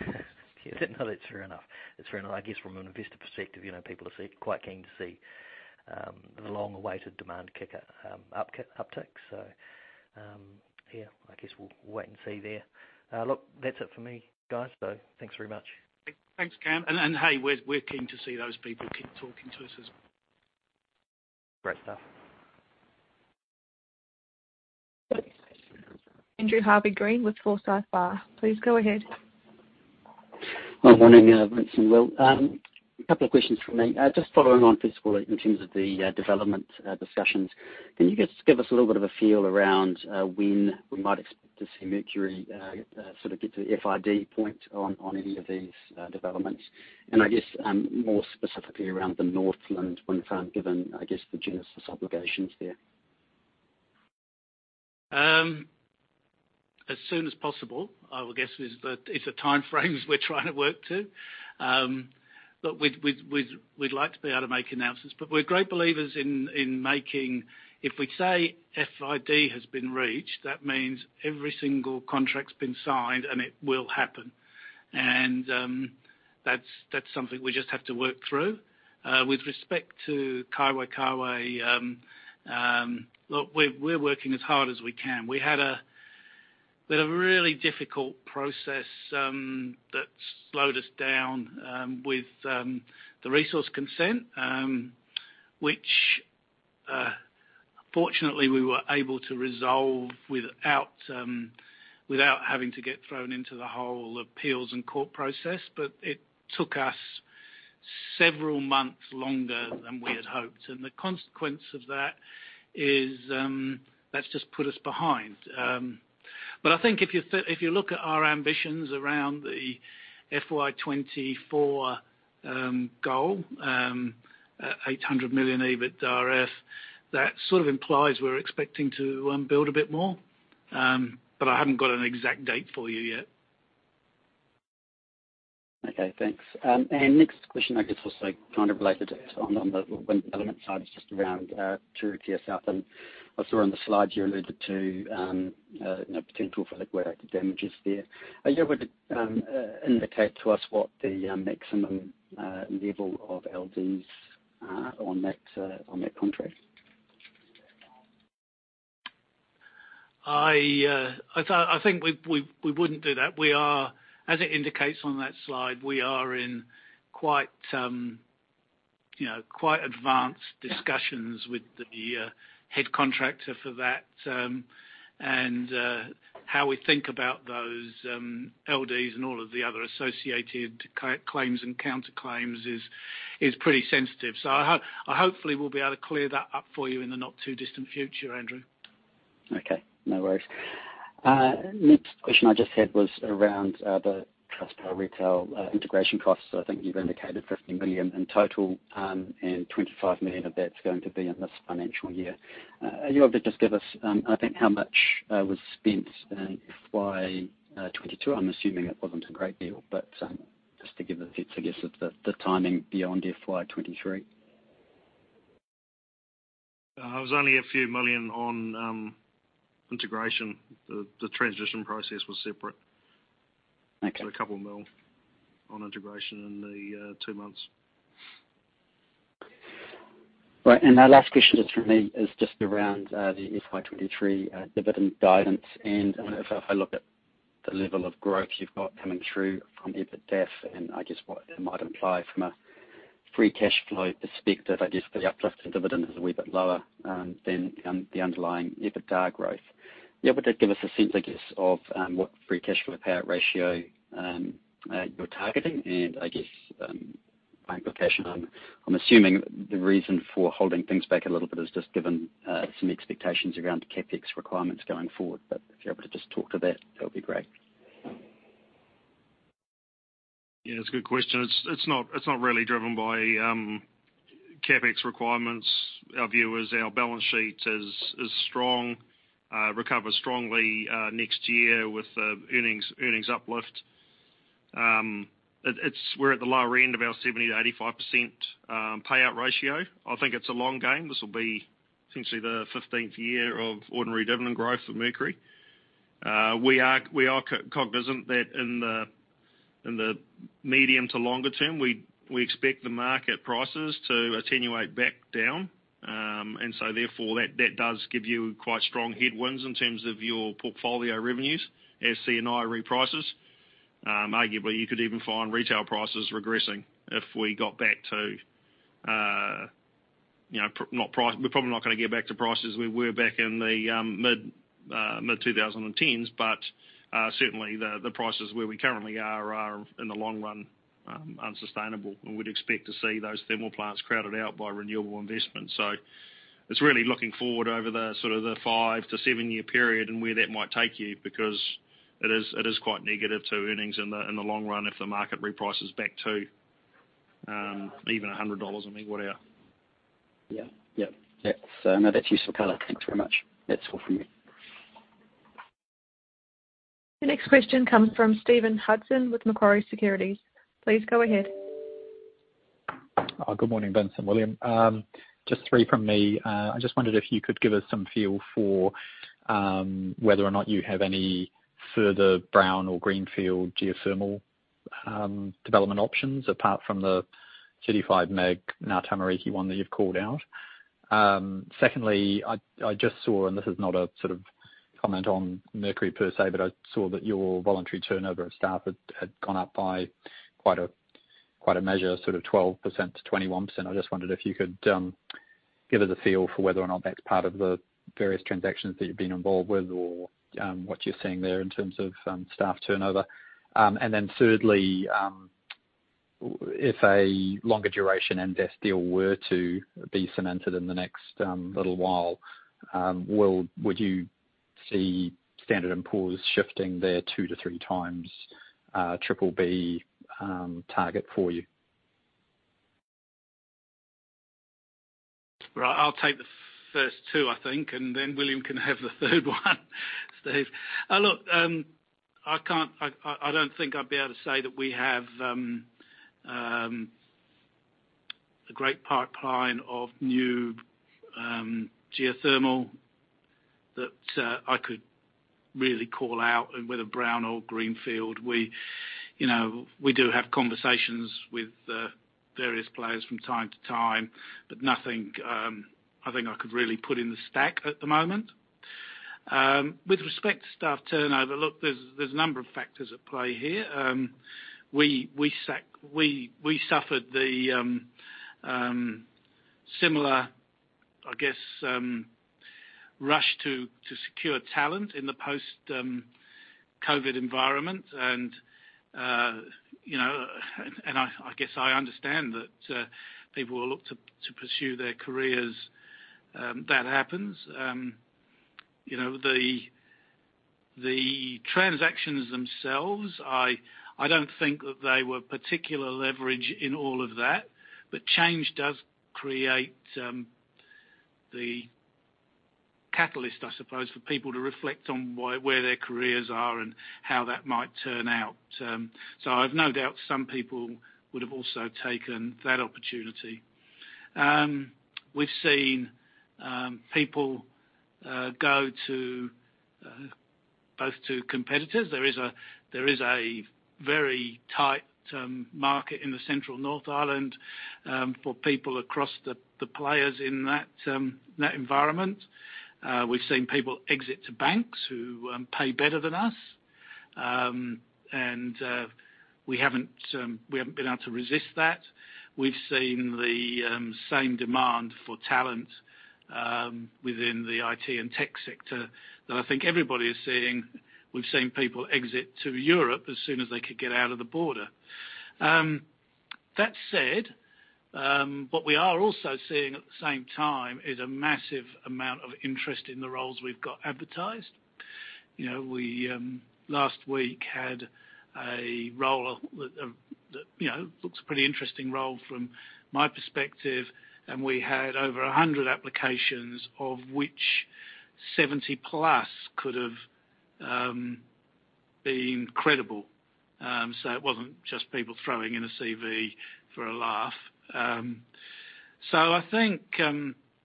[SPEAKER 4] No, that's fair enough. That's fair enough. I guess from an investor perspective, you know, people are quite keen to see the long-awaited demand kicker uptick. Yeah, I guess we'll wait and see there. Look, that's it for me, guys, so thanks very much.
[SPEAKER 2] Thanks, Cam.
[SPEAKER 1] Hey, we're keen to see those people keep talking to us as well.
[SPEAKER 4] Great stuff.
[SPEAKER 3] Andrew Harvey-Green with Forsyth Barr. Please go ahead.
[SPEAKER 5] Good morning, Vince and Will. A couple of questions from me. Just following on from [inaudible] in terms of the development discussions. Can you just give us a little bit of a feel around when we might expect to see Mercury sort of get to the FID point on any of these developments? I guess, more specifically around the Northland wind farm, given the Genesis obligations there.
[SPEAKER 1] As soon as possible, I would guess is the time frames we're trying to work to. But we'd like to be able to make announcements. We're great believers in making. If we say FID has been reached, that means every single contract's been signed, and it will happen. That's something we just have to work through. With respect to Kaiwaikawe, look, we're working as hard as we can. We had a really difficult process that slowed us down with the resource consent, which fortunately, we were able to resolve without having to get thrown into the whole appeals and court process. It took us several months longer than we had hoped. The consequence of that is, that's just put us behind. I think if you look at our ambitions around the FY 2024 goal, 800 million EBITDAF, that sort of implies we're expecting to build a bit more. I haven't got an exact date for you yet.
[SPEAKER 5] Okay, thanks. Next question, I guess also kind of related to on the wind element side is just around Turitea South. I saw on the slide you alluded to, you know, potential for liquidated damages there. Are you able to indicate to us what the maximum level of LDs are on that contract?
[SPEAKER 1] I think we wouldn't do that. We are, as it indicates on that slide, in quite, you know, quite advanced.
[SPEAKER 5] Yeah.
[SPEAKER 1] discussions with the head contractor for that. How we think about those LDs and all of the other associated claims and counterclaims is pretty sensitive. I hopefully will be able to clear that up for you in the not too distant future, Andrew.
[SPEAKER 5] Okay, no worries. Next question I just had was around the Trustpower retail integration costs. I think you've indicated 50 million in total, and 25 million of that's going to be in this financial year. Are you able to just give us, I think how much was spent in FY 2022? I'm assuming it wasn't a great deal, but just to give a sense, I guess, of the timing beyond FY 2023.
[SPEAKER 2] It was only a few million NZD on integration. The transition process was separate.
[SPEAKER 5] Okay.
[SPEAKER 2] 2 million on integration in the two months.
[SPEAKER 5] Right. Our last question just from me is just around the FY 2023 dividend guidance. If I look at the level of growth you've got coming through from EBITDAF, and I guess what it might imply from a free cash flow perspective, I guess the uplift in dividend is a wee bit lower than the underlying EBITDA growth. Are you able to give us a sense, I guess, of what free cash flow payout ratio you're targeting and I guess, by implication, I'm assuming the reason for holding things back a little bit is just given some expectations around CapEx requirements going forward. If you're able to just talk to that would be great.
[SPEAKER 2] Yeah, it's a good question. It's not really driven by CapEx requirements. Our view is our balance sheet is strong, recover strongly next year with the earnings uplift. We're at the lower end of our 70%-85% payout ratio. I think it's a long game. This will be essentially the 15th year of ordinary dividend growth for Mercury. We are cognizant that in the medium to longer term, we expect the market prices to attenuate back down. Therefore that does give you quite strong headwinds in terms of your portfolio revenues as C&I reprices. Arguably, you could even find retail prices regressing if we got back to, you know, we're probably not gonna get back to prices where we were back in the mid-2010s, but certainly the prices where we currently are are in the long run unsustainable, and we'd expect to see those thermal plants crowded out by renewable investments. It's really looking forward over the sort of five-seven-year period and where that might take you because it is quite negative to earnings in the long run if the market reprices back to even 100 dollars/MWh.
[SPEAKER 5] Yeah. Yep. That's, no, that's useful color. Thanks very much. That's all from me.
[SPEAKER 3] The next question comes from Stephen Hudson with Macquarie Securities. Please go ahead.
[SPEAKER 6] Good morning, Vince and William. Just three from me. I just wondered if you could give us some feel for whether or not you have any further brown or greenfield geothermal development options apart from the 35 MW Ngā Tamariki one that you've called out. Second, I just saw, and this is not a sort of comment on Mercury per se, but I saw that your voluntary turnover of staff had gone up by quite a measure, sort of 12% to 21%. I just wondered if you could give us a feel for whether or not that's part of the various transactions that you've been involved with or what you're seeing there in terms of staff turnover. Thirdly, if a longer duration debt deal were to be cemented in the next little while, would you see Standard & Poor's shifting their 2x-3x triple B target for you?
[SPEAKER 1] Right. I'll take the first two, I think, and then William can have the third one, Steven. Look, I don't think I'd be able to say that we have a great pipeline of new geothermal that I could really call out and whether brown or greenfield. We, you know, we do have conversations with various players from time to time, but nothing I think I could really put in the stack at the moment. With respect to staff turnover, there's a number of factors at play here. We suffered the similar, I guess, rush to secure talent in the post-COVID environment and, you know, and I guess I understand that people will look to pursue their careers. That happens. You know, the transactions themselves, I don't think that they were particular leverage in all of that, but change does create the catalyst, I suppose, for people to reflect on where their careers are and how that might turn out. I have no doubt some people would have also taken that opportunity. We've seen people go to both to competitors. There is a very tight market in the central North Island for people across the players in that environment. We've seen people exit to banks who pay better than us, and we haven't been able to resist that. We've seen the same demand for talent within the IT and tech sector that I think everybody is seeing. We've seen people exit to Europe as soon as they could get out of the border. That said, what we are also seeing at the same time is a massive amount of interest in the roles we've got advertised. You know, we last week had a role that you know looks a pretty interesting role from my perspective, and we had over 100 applications of which 70+ could've been credible. It wasn't just people throwing in a CV for a laugh. I think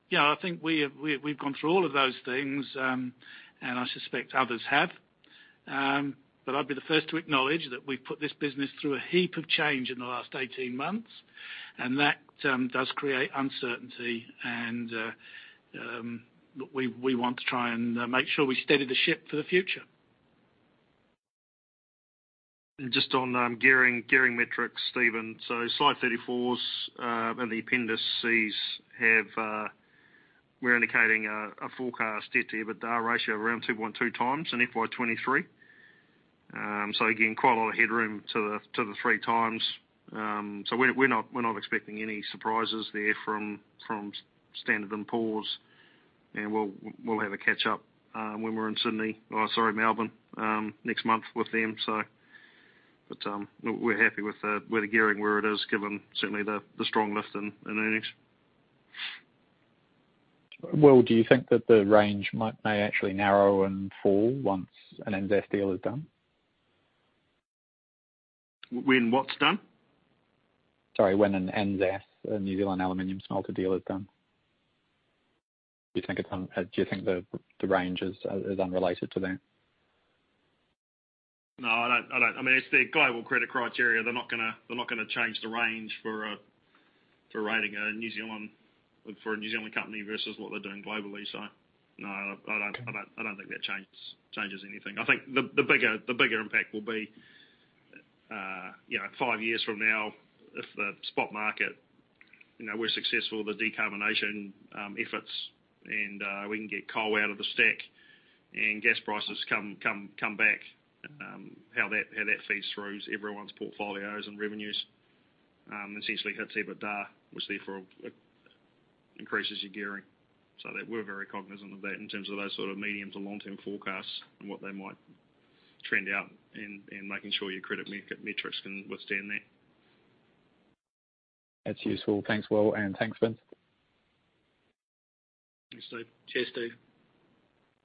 [SPEAKER 1] yeah I think we've gone through all of those things, and I suspect others have. I'll be the first to acknowledge that we've put this business through a heap of change in the last 18 months, and that does create uncertainty and we want to try and make sure we steady the ship for the future.
[SPEAKER 2] Just on gearing metrics, Steven. Slide 34's and the appendices have we're indicating a forecast debt-to-EBITDA ratio of around 2.2x in FY 2023. Again, quite a lot of headroom to the 3x. We're not expecting any surprises there from Standard & Poor's, and we'll have a catch-up when we're in Sydney, sorry, Melbourne, next month with them. We're happy with the gearing where it is given certainly the strong lift in earnings.
[SPEAKER 6] Will, do you think that the range may actually narrow and fall once an NZAS deal is done?
[SPEAKER 2] When what's done?
[SPEAKER 6] Sorry. When an NZAS, a New Zealand Aluminium Smelters deal is done. Do you think the range is unrelated to that?
[SPEAKER 2] No, I don't. I mean, it's their global credit criteria. They're not gonna change the range for rating a New Zealand company versus what they're doing globally. No, I don't think that changes anything. I think the bigger impact will be, you know, five years from now, if the spot market, you know, we're successful with decarbonization efforts, and we can get coal out of the stack and gas prices come back, how that feeds through everyone's portfolios and revenues, essentially hits EBITDA, which therefore increases your gearing. That we're very cognizant of that in terms of those sort of medium to long-term forecasts and what they might trend out and making sure your credit metrics can withstand that.
[SPEAKER 6] That's useful. Thanks, Will, and thanks, Vince.
[SPEAKER 2] Thanks, Steve. Cheers, Steve.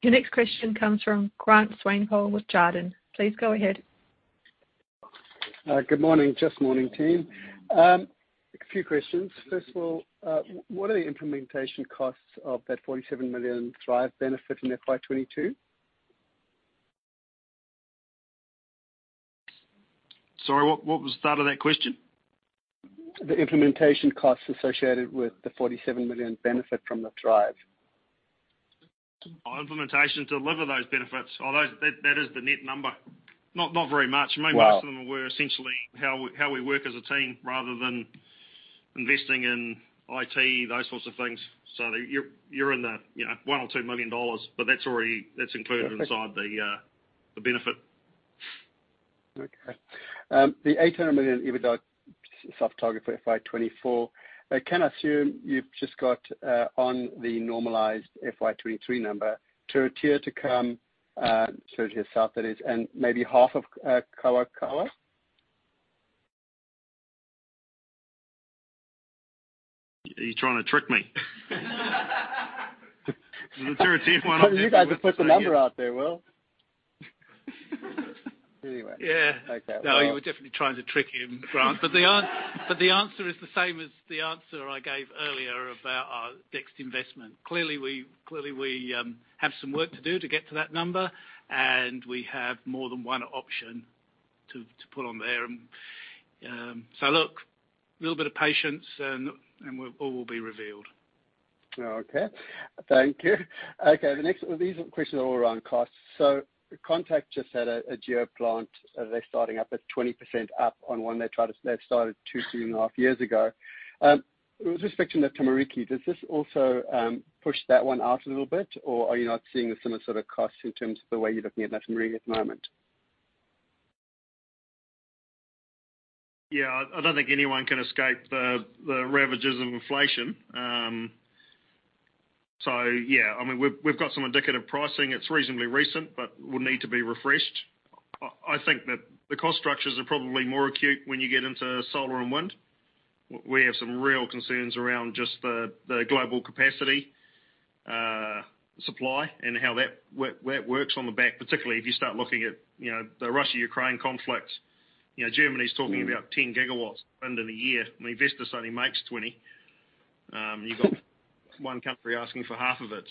[SPEAKER 3] Your next question comes from Grant Swanepoel with Jarden. Please go ahead.
[SPEAKER 7] Good morning. Just morning team. A few questions. First of all, what are the implementation costs of that 47 million Thrive benefiting FY 2022?
[SPEAKER 2] Sorry, what was the start of that question?
[SPEAKER 7] The implementation costs associated with the 47 million benefit from the Thrive.
[SPEAKER 2] Implementation to deliver those benefits. That is the net number. Not very much.
[SPEAKER 7] Wow.
[SPEAKER 2] Most of them were essentially how we work as a team rather than investing in IT, those sorts of things. You're in the, you know, 1 million or 2 million dollars, but that's already, that's included inside the benefit.
[SPEAKER 7] The 800 million EBITDA set target for FY 2024, I can assume you've just got on the normalized FY 2023 number Turitea to come, so to yourself that is, and maybe half of Kawerau?
[SPEAKER 2] Are you trying to trick me? The Turitea one.
[SPEAKER 7] You guys have put the number out there, Will. Anyway.
[SPEAKER 2] Yeah.
[SPEAKER 7] Like that, Will.
[SPEAKER 2] No, you were definitely trying to trick him, Grant. The answer is the same as the answer I gave earlier about our next investment. Clearly, we have some work to do to get to that number, and we have more than one option to put on there. Look, a little bit of patience and all will be revealed.
[SPEAKER 7] These questions are all around costs. Contact just had a geo plant. They're starting up at 20% up on one they've started 2.5 years ago. With respect to the Ngā Tamariki, does this also push that one out a little bit? Or are you not seeing a similar sort of cost in terms of the way you're looking at that Ngā Tamariki at the moment?
[SPEAKER 2] Yeah. I don't think anyone can escape the ravages of inflation. So yeah, I mean, we've got some indicative pricing. It's reasonably recent, but will need to be refreshed. I think that the cost structures are probably more acute when you get into solar and wind. We have some real concerns around just the global capacity supply and how that works on the back, particularly if you start looking at, you know, the Russia-Ukraine conflict. You know, Germany is talking about 10 GW a year. I mean, Vestas only makes 20. You got one country asking for half of it.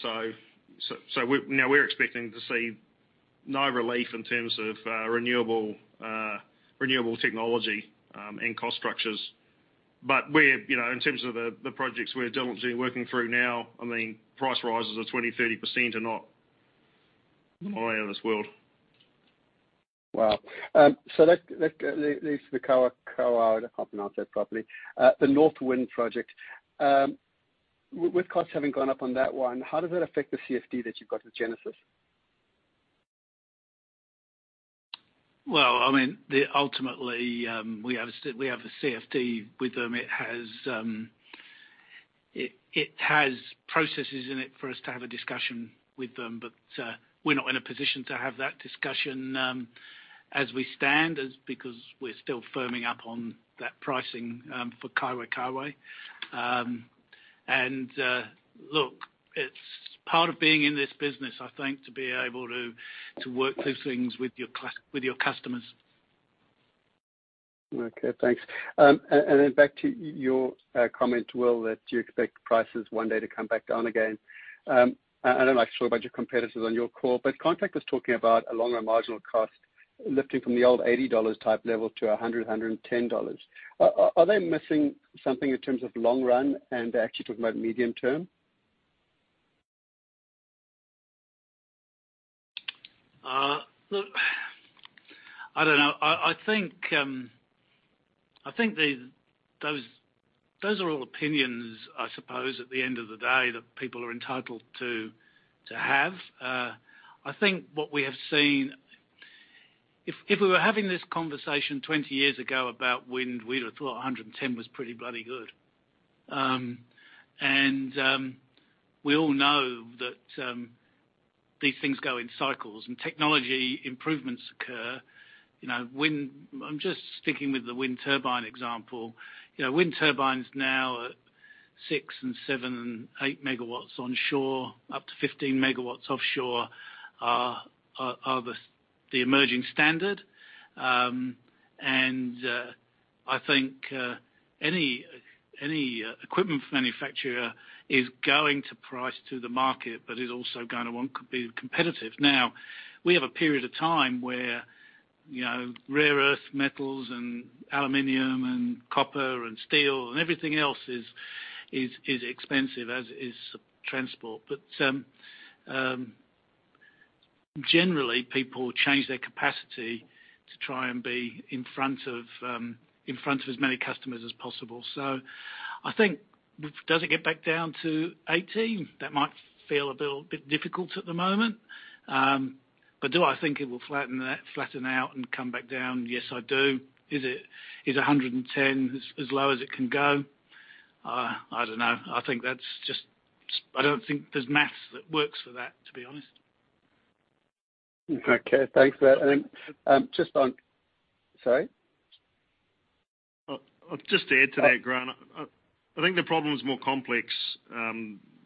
[SPEAKER 2] We're expecting to see no relief in terms of renewable technology and cost structures. We're, you know, in terms of the projects we're diligently working through now, I mean, price rises of 20%-30% are not out of this world.
[SPEAKER 7] Wow. Let's look at Kaiwaikawe. I can't pronounce that properly. The North Wind project. With costs having gone up on that one, how does it affect the CFD that you've got with Genesis?
[SPEAKER 1] I mean, ultimately, we have a CFD with them. It has processes in it for us to have a discussion with them. We're not in a position to have that discussion as we stand because we're still firming up on that pricing for Kaiwaikawe. Look, it's part of being in this business, I think, to be able to work through things with your customers.
[SPEAKER 7] Okay, thanks. Back to your comment, Will, that you expect prices one day to come back down again. I know I saw a bunch of competitors on your call, but Contact was talking about a long run marginal cost lifting from the old 80 dollars type level to 110 dollars. Are they missing something in terms of long run and they're actually talking about medium term?
[SPEAKER 1] Look, I don't know. I think those are all opinions, I suppose at the end of the day, that people are entitled to have. I think what we have seen. If we were having this conversation 20 years ago about wind, we'd have thought 110 was pretty bloody good. We all know that these things go in cycles and technology improvements occur. You know, I'm just sticking with the wind turbine example. You know, wind turbines now at 6 MW and 7 MW and 8 MW onshore, up to 15 MW offshore are the emerging standard. I think any equipment manufacturer is going to price to the market, but is also gonna want to be competitive. Now, we have a period of time where, you know, rare earth metals and aluminum and copper and steel and everything else is expensive, as is transport. Generally people change their capacity to try and be in front of as many customers as possible. I think, does it get back down to 18? That might feel a little bit difficult at the moment. But do I think it will flatten out and come back down? Yes, I do. Is it 110 as low as it can go? I don't know. I think that's just. I don't think there's math that works for that, to be honest.
[SPEAKER 7] Okay, thanks for that. Sorry.
[SPEAKER 2] Just to add to that, Grant. I think the problem is more complex.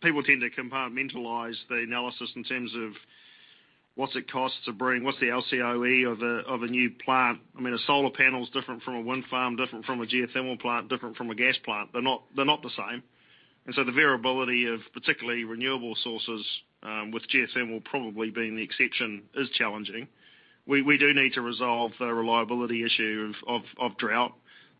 [SPEAKER 2] People tend to compartmentalize the analysis in terms of what's the cost to bring, what's the LCOE of a new plant. I mean, a solar panel is different from a wind farm, different from a geothermal plant, different from a gas plant. They're not the same. The variability of particularly renewable sources, with geothermal probably being the exception, is challenging. We do need to resolve the reliability issue of drought.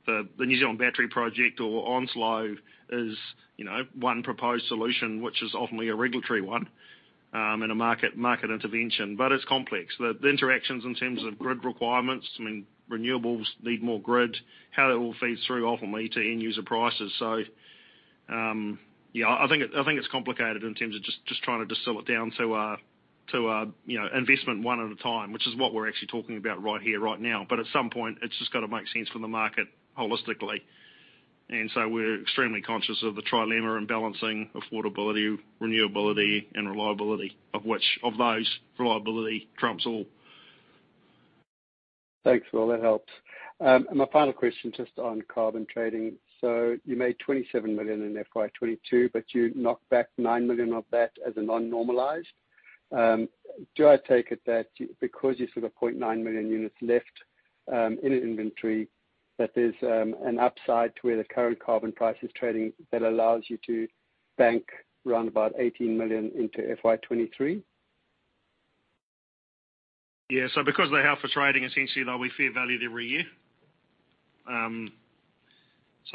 [SPEAKER 2] The NZ Battery Project or Onslow is, you know, one proposed solution, which is ultimately a regulatory one, and a market intervention, but it's complex. The interactions in terms of grid requirements, I mean, renewables need more grid. How that all feeds through ultimately to end user prices. I think it's complicated in terms of just trying to distill it down to a, you know, investment one at a time, which is what we're actually talking about right here, right now. At some point, it's just got to make sense for the market holistically. We're extremely conscious of the trilemma and balancing affordability, renewability, and reliability. Of those, reliability trumps all.
[SPEAKER 7] Thanks, Will. That helps. My final question, just on carbon trading. You made 27 million in FY 2022, but you knocked back 9 million of that as a non-normalized. Do I take it that because you sort of 0.9 million units left in an inventory, that there's an upside to where the current carbon price is trading that allows you to bank around about 18 million into FY 2023?
[SPEAKER 2] Yeah. Because of the forward trading, essentially, they'll be fair value every year.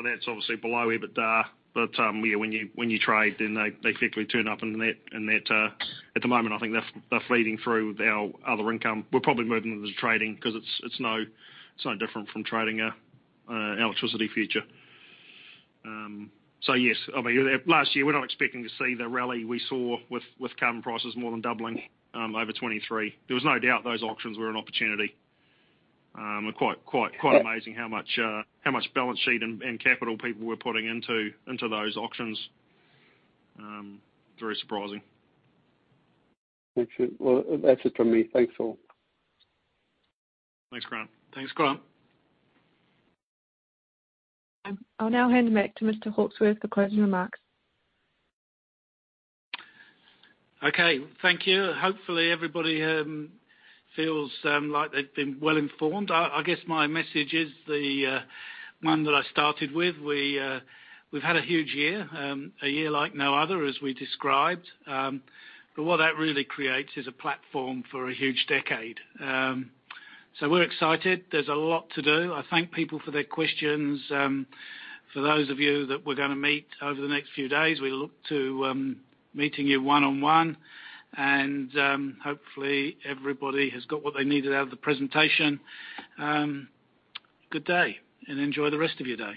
[SPEAKER 2] That's obviously below EBITDA. Yeah, when you trade, they quickly turn up in that. At the moment, I think that's leading through our other income. We're probably moving them to trading 'cause it's no different from trading an electricity future. Yes. I mean, last year, we're not expecting to see the rally we saw with carbon prices more than doubling over 2023. There was no doubt those auctions were an opportunity. Quite amazing how much balance sheet and capital people were putting into those auctions. Very surprising.
[SPEAKER 7] Thank you. Well, that's it from me. Thanks, all.
[SPEAKER 2] Thanks, Grant.
[SPEAKER 1] Thanks, Grant.
[SPEAKER 3] I'll now hand back to Mr. Hawksworth for closing remarks.
[SPEAKER 1] Okay, thank you. Hopefully, everybody feels like they've been well informed. I guess my message is the one that I started with. We've had a huge year, a year like no other, as we described. What that really creates is a platform for a huge decade. We're excited. There's a lot to do. I thank people for their questions. For those of you that we're gonna meet over the next few days, we look to meeting you one-on-one, and hopefully, everybody has got what they needed out of the presentation. Good day, and enjoy the rest of your day.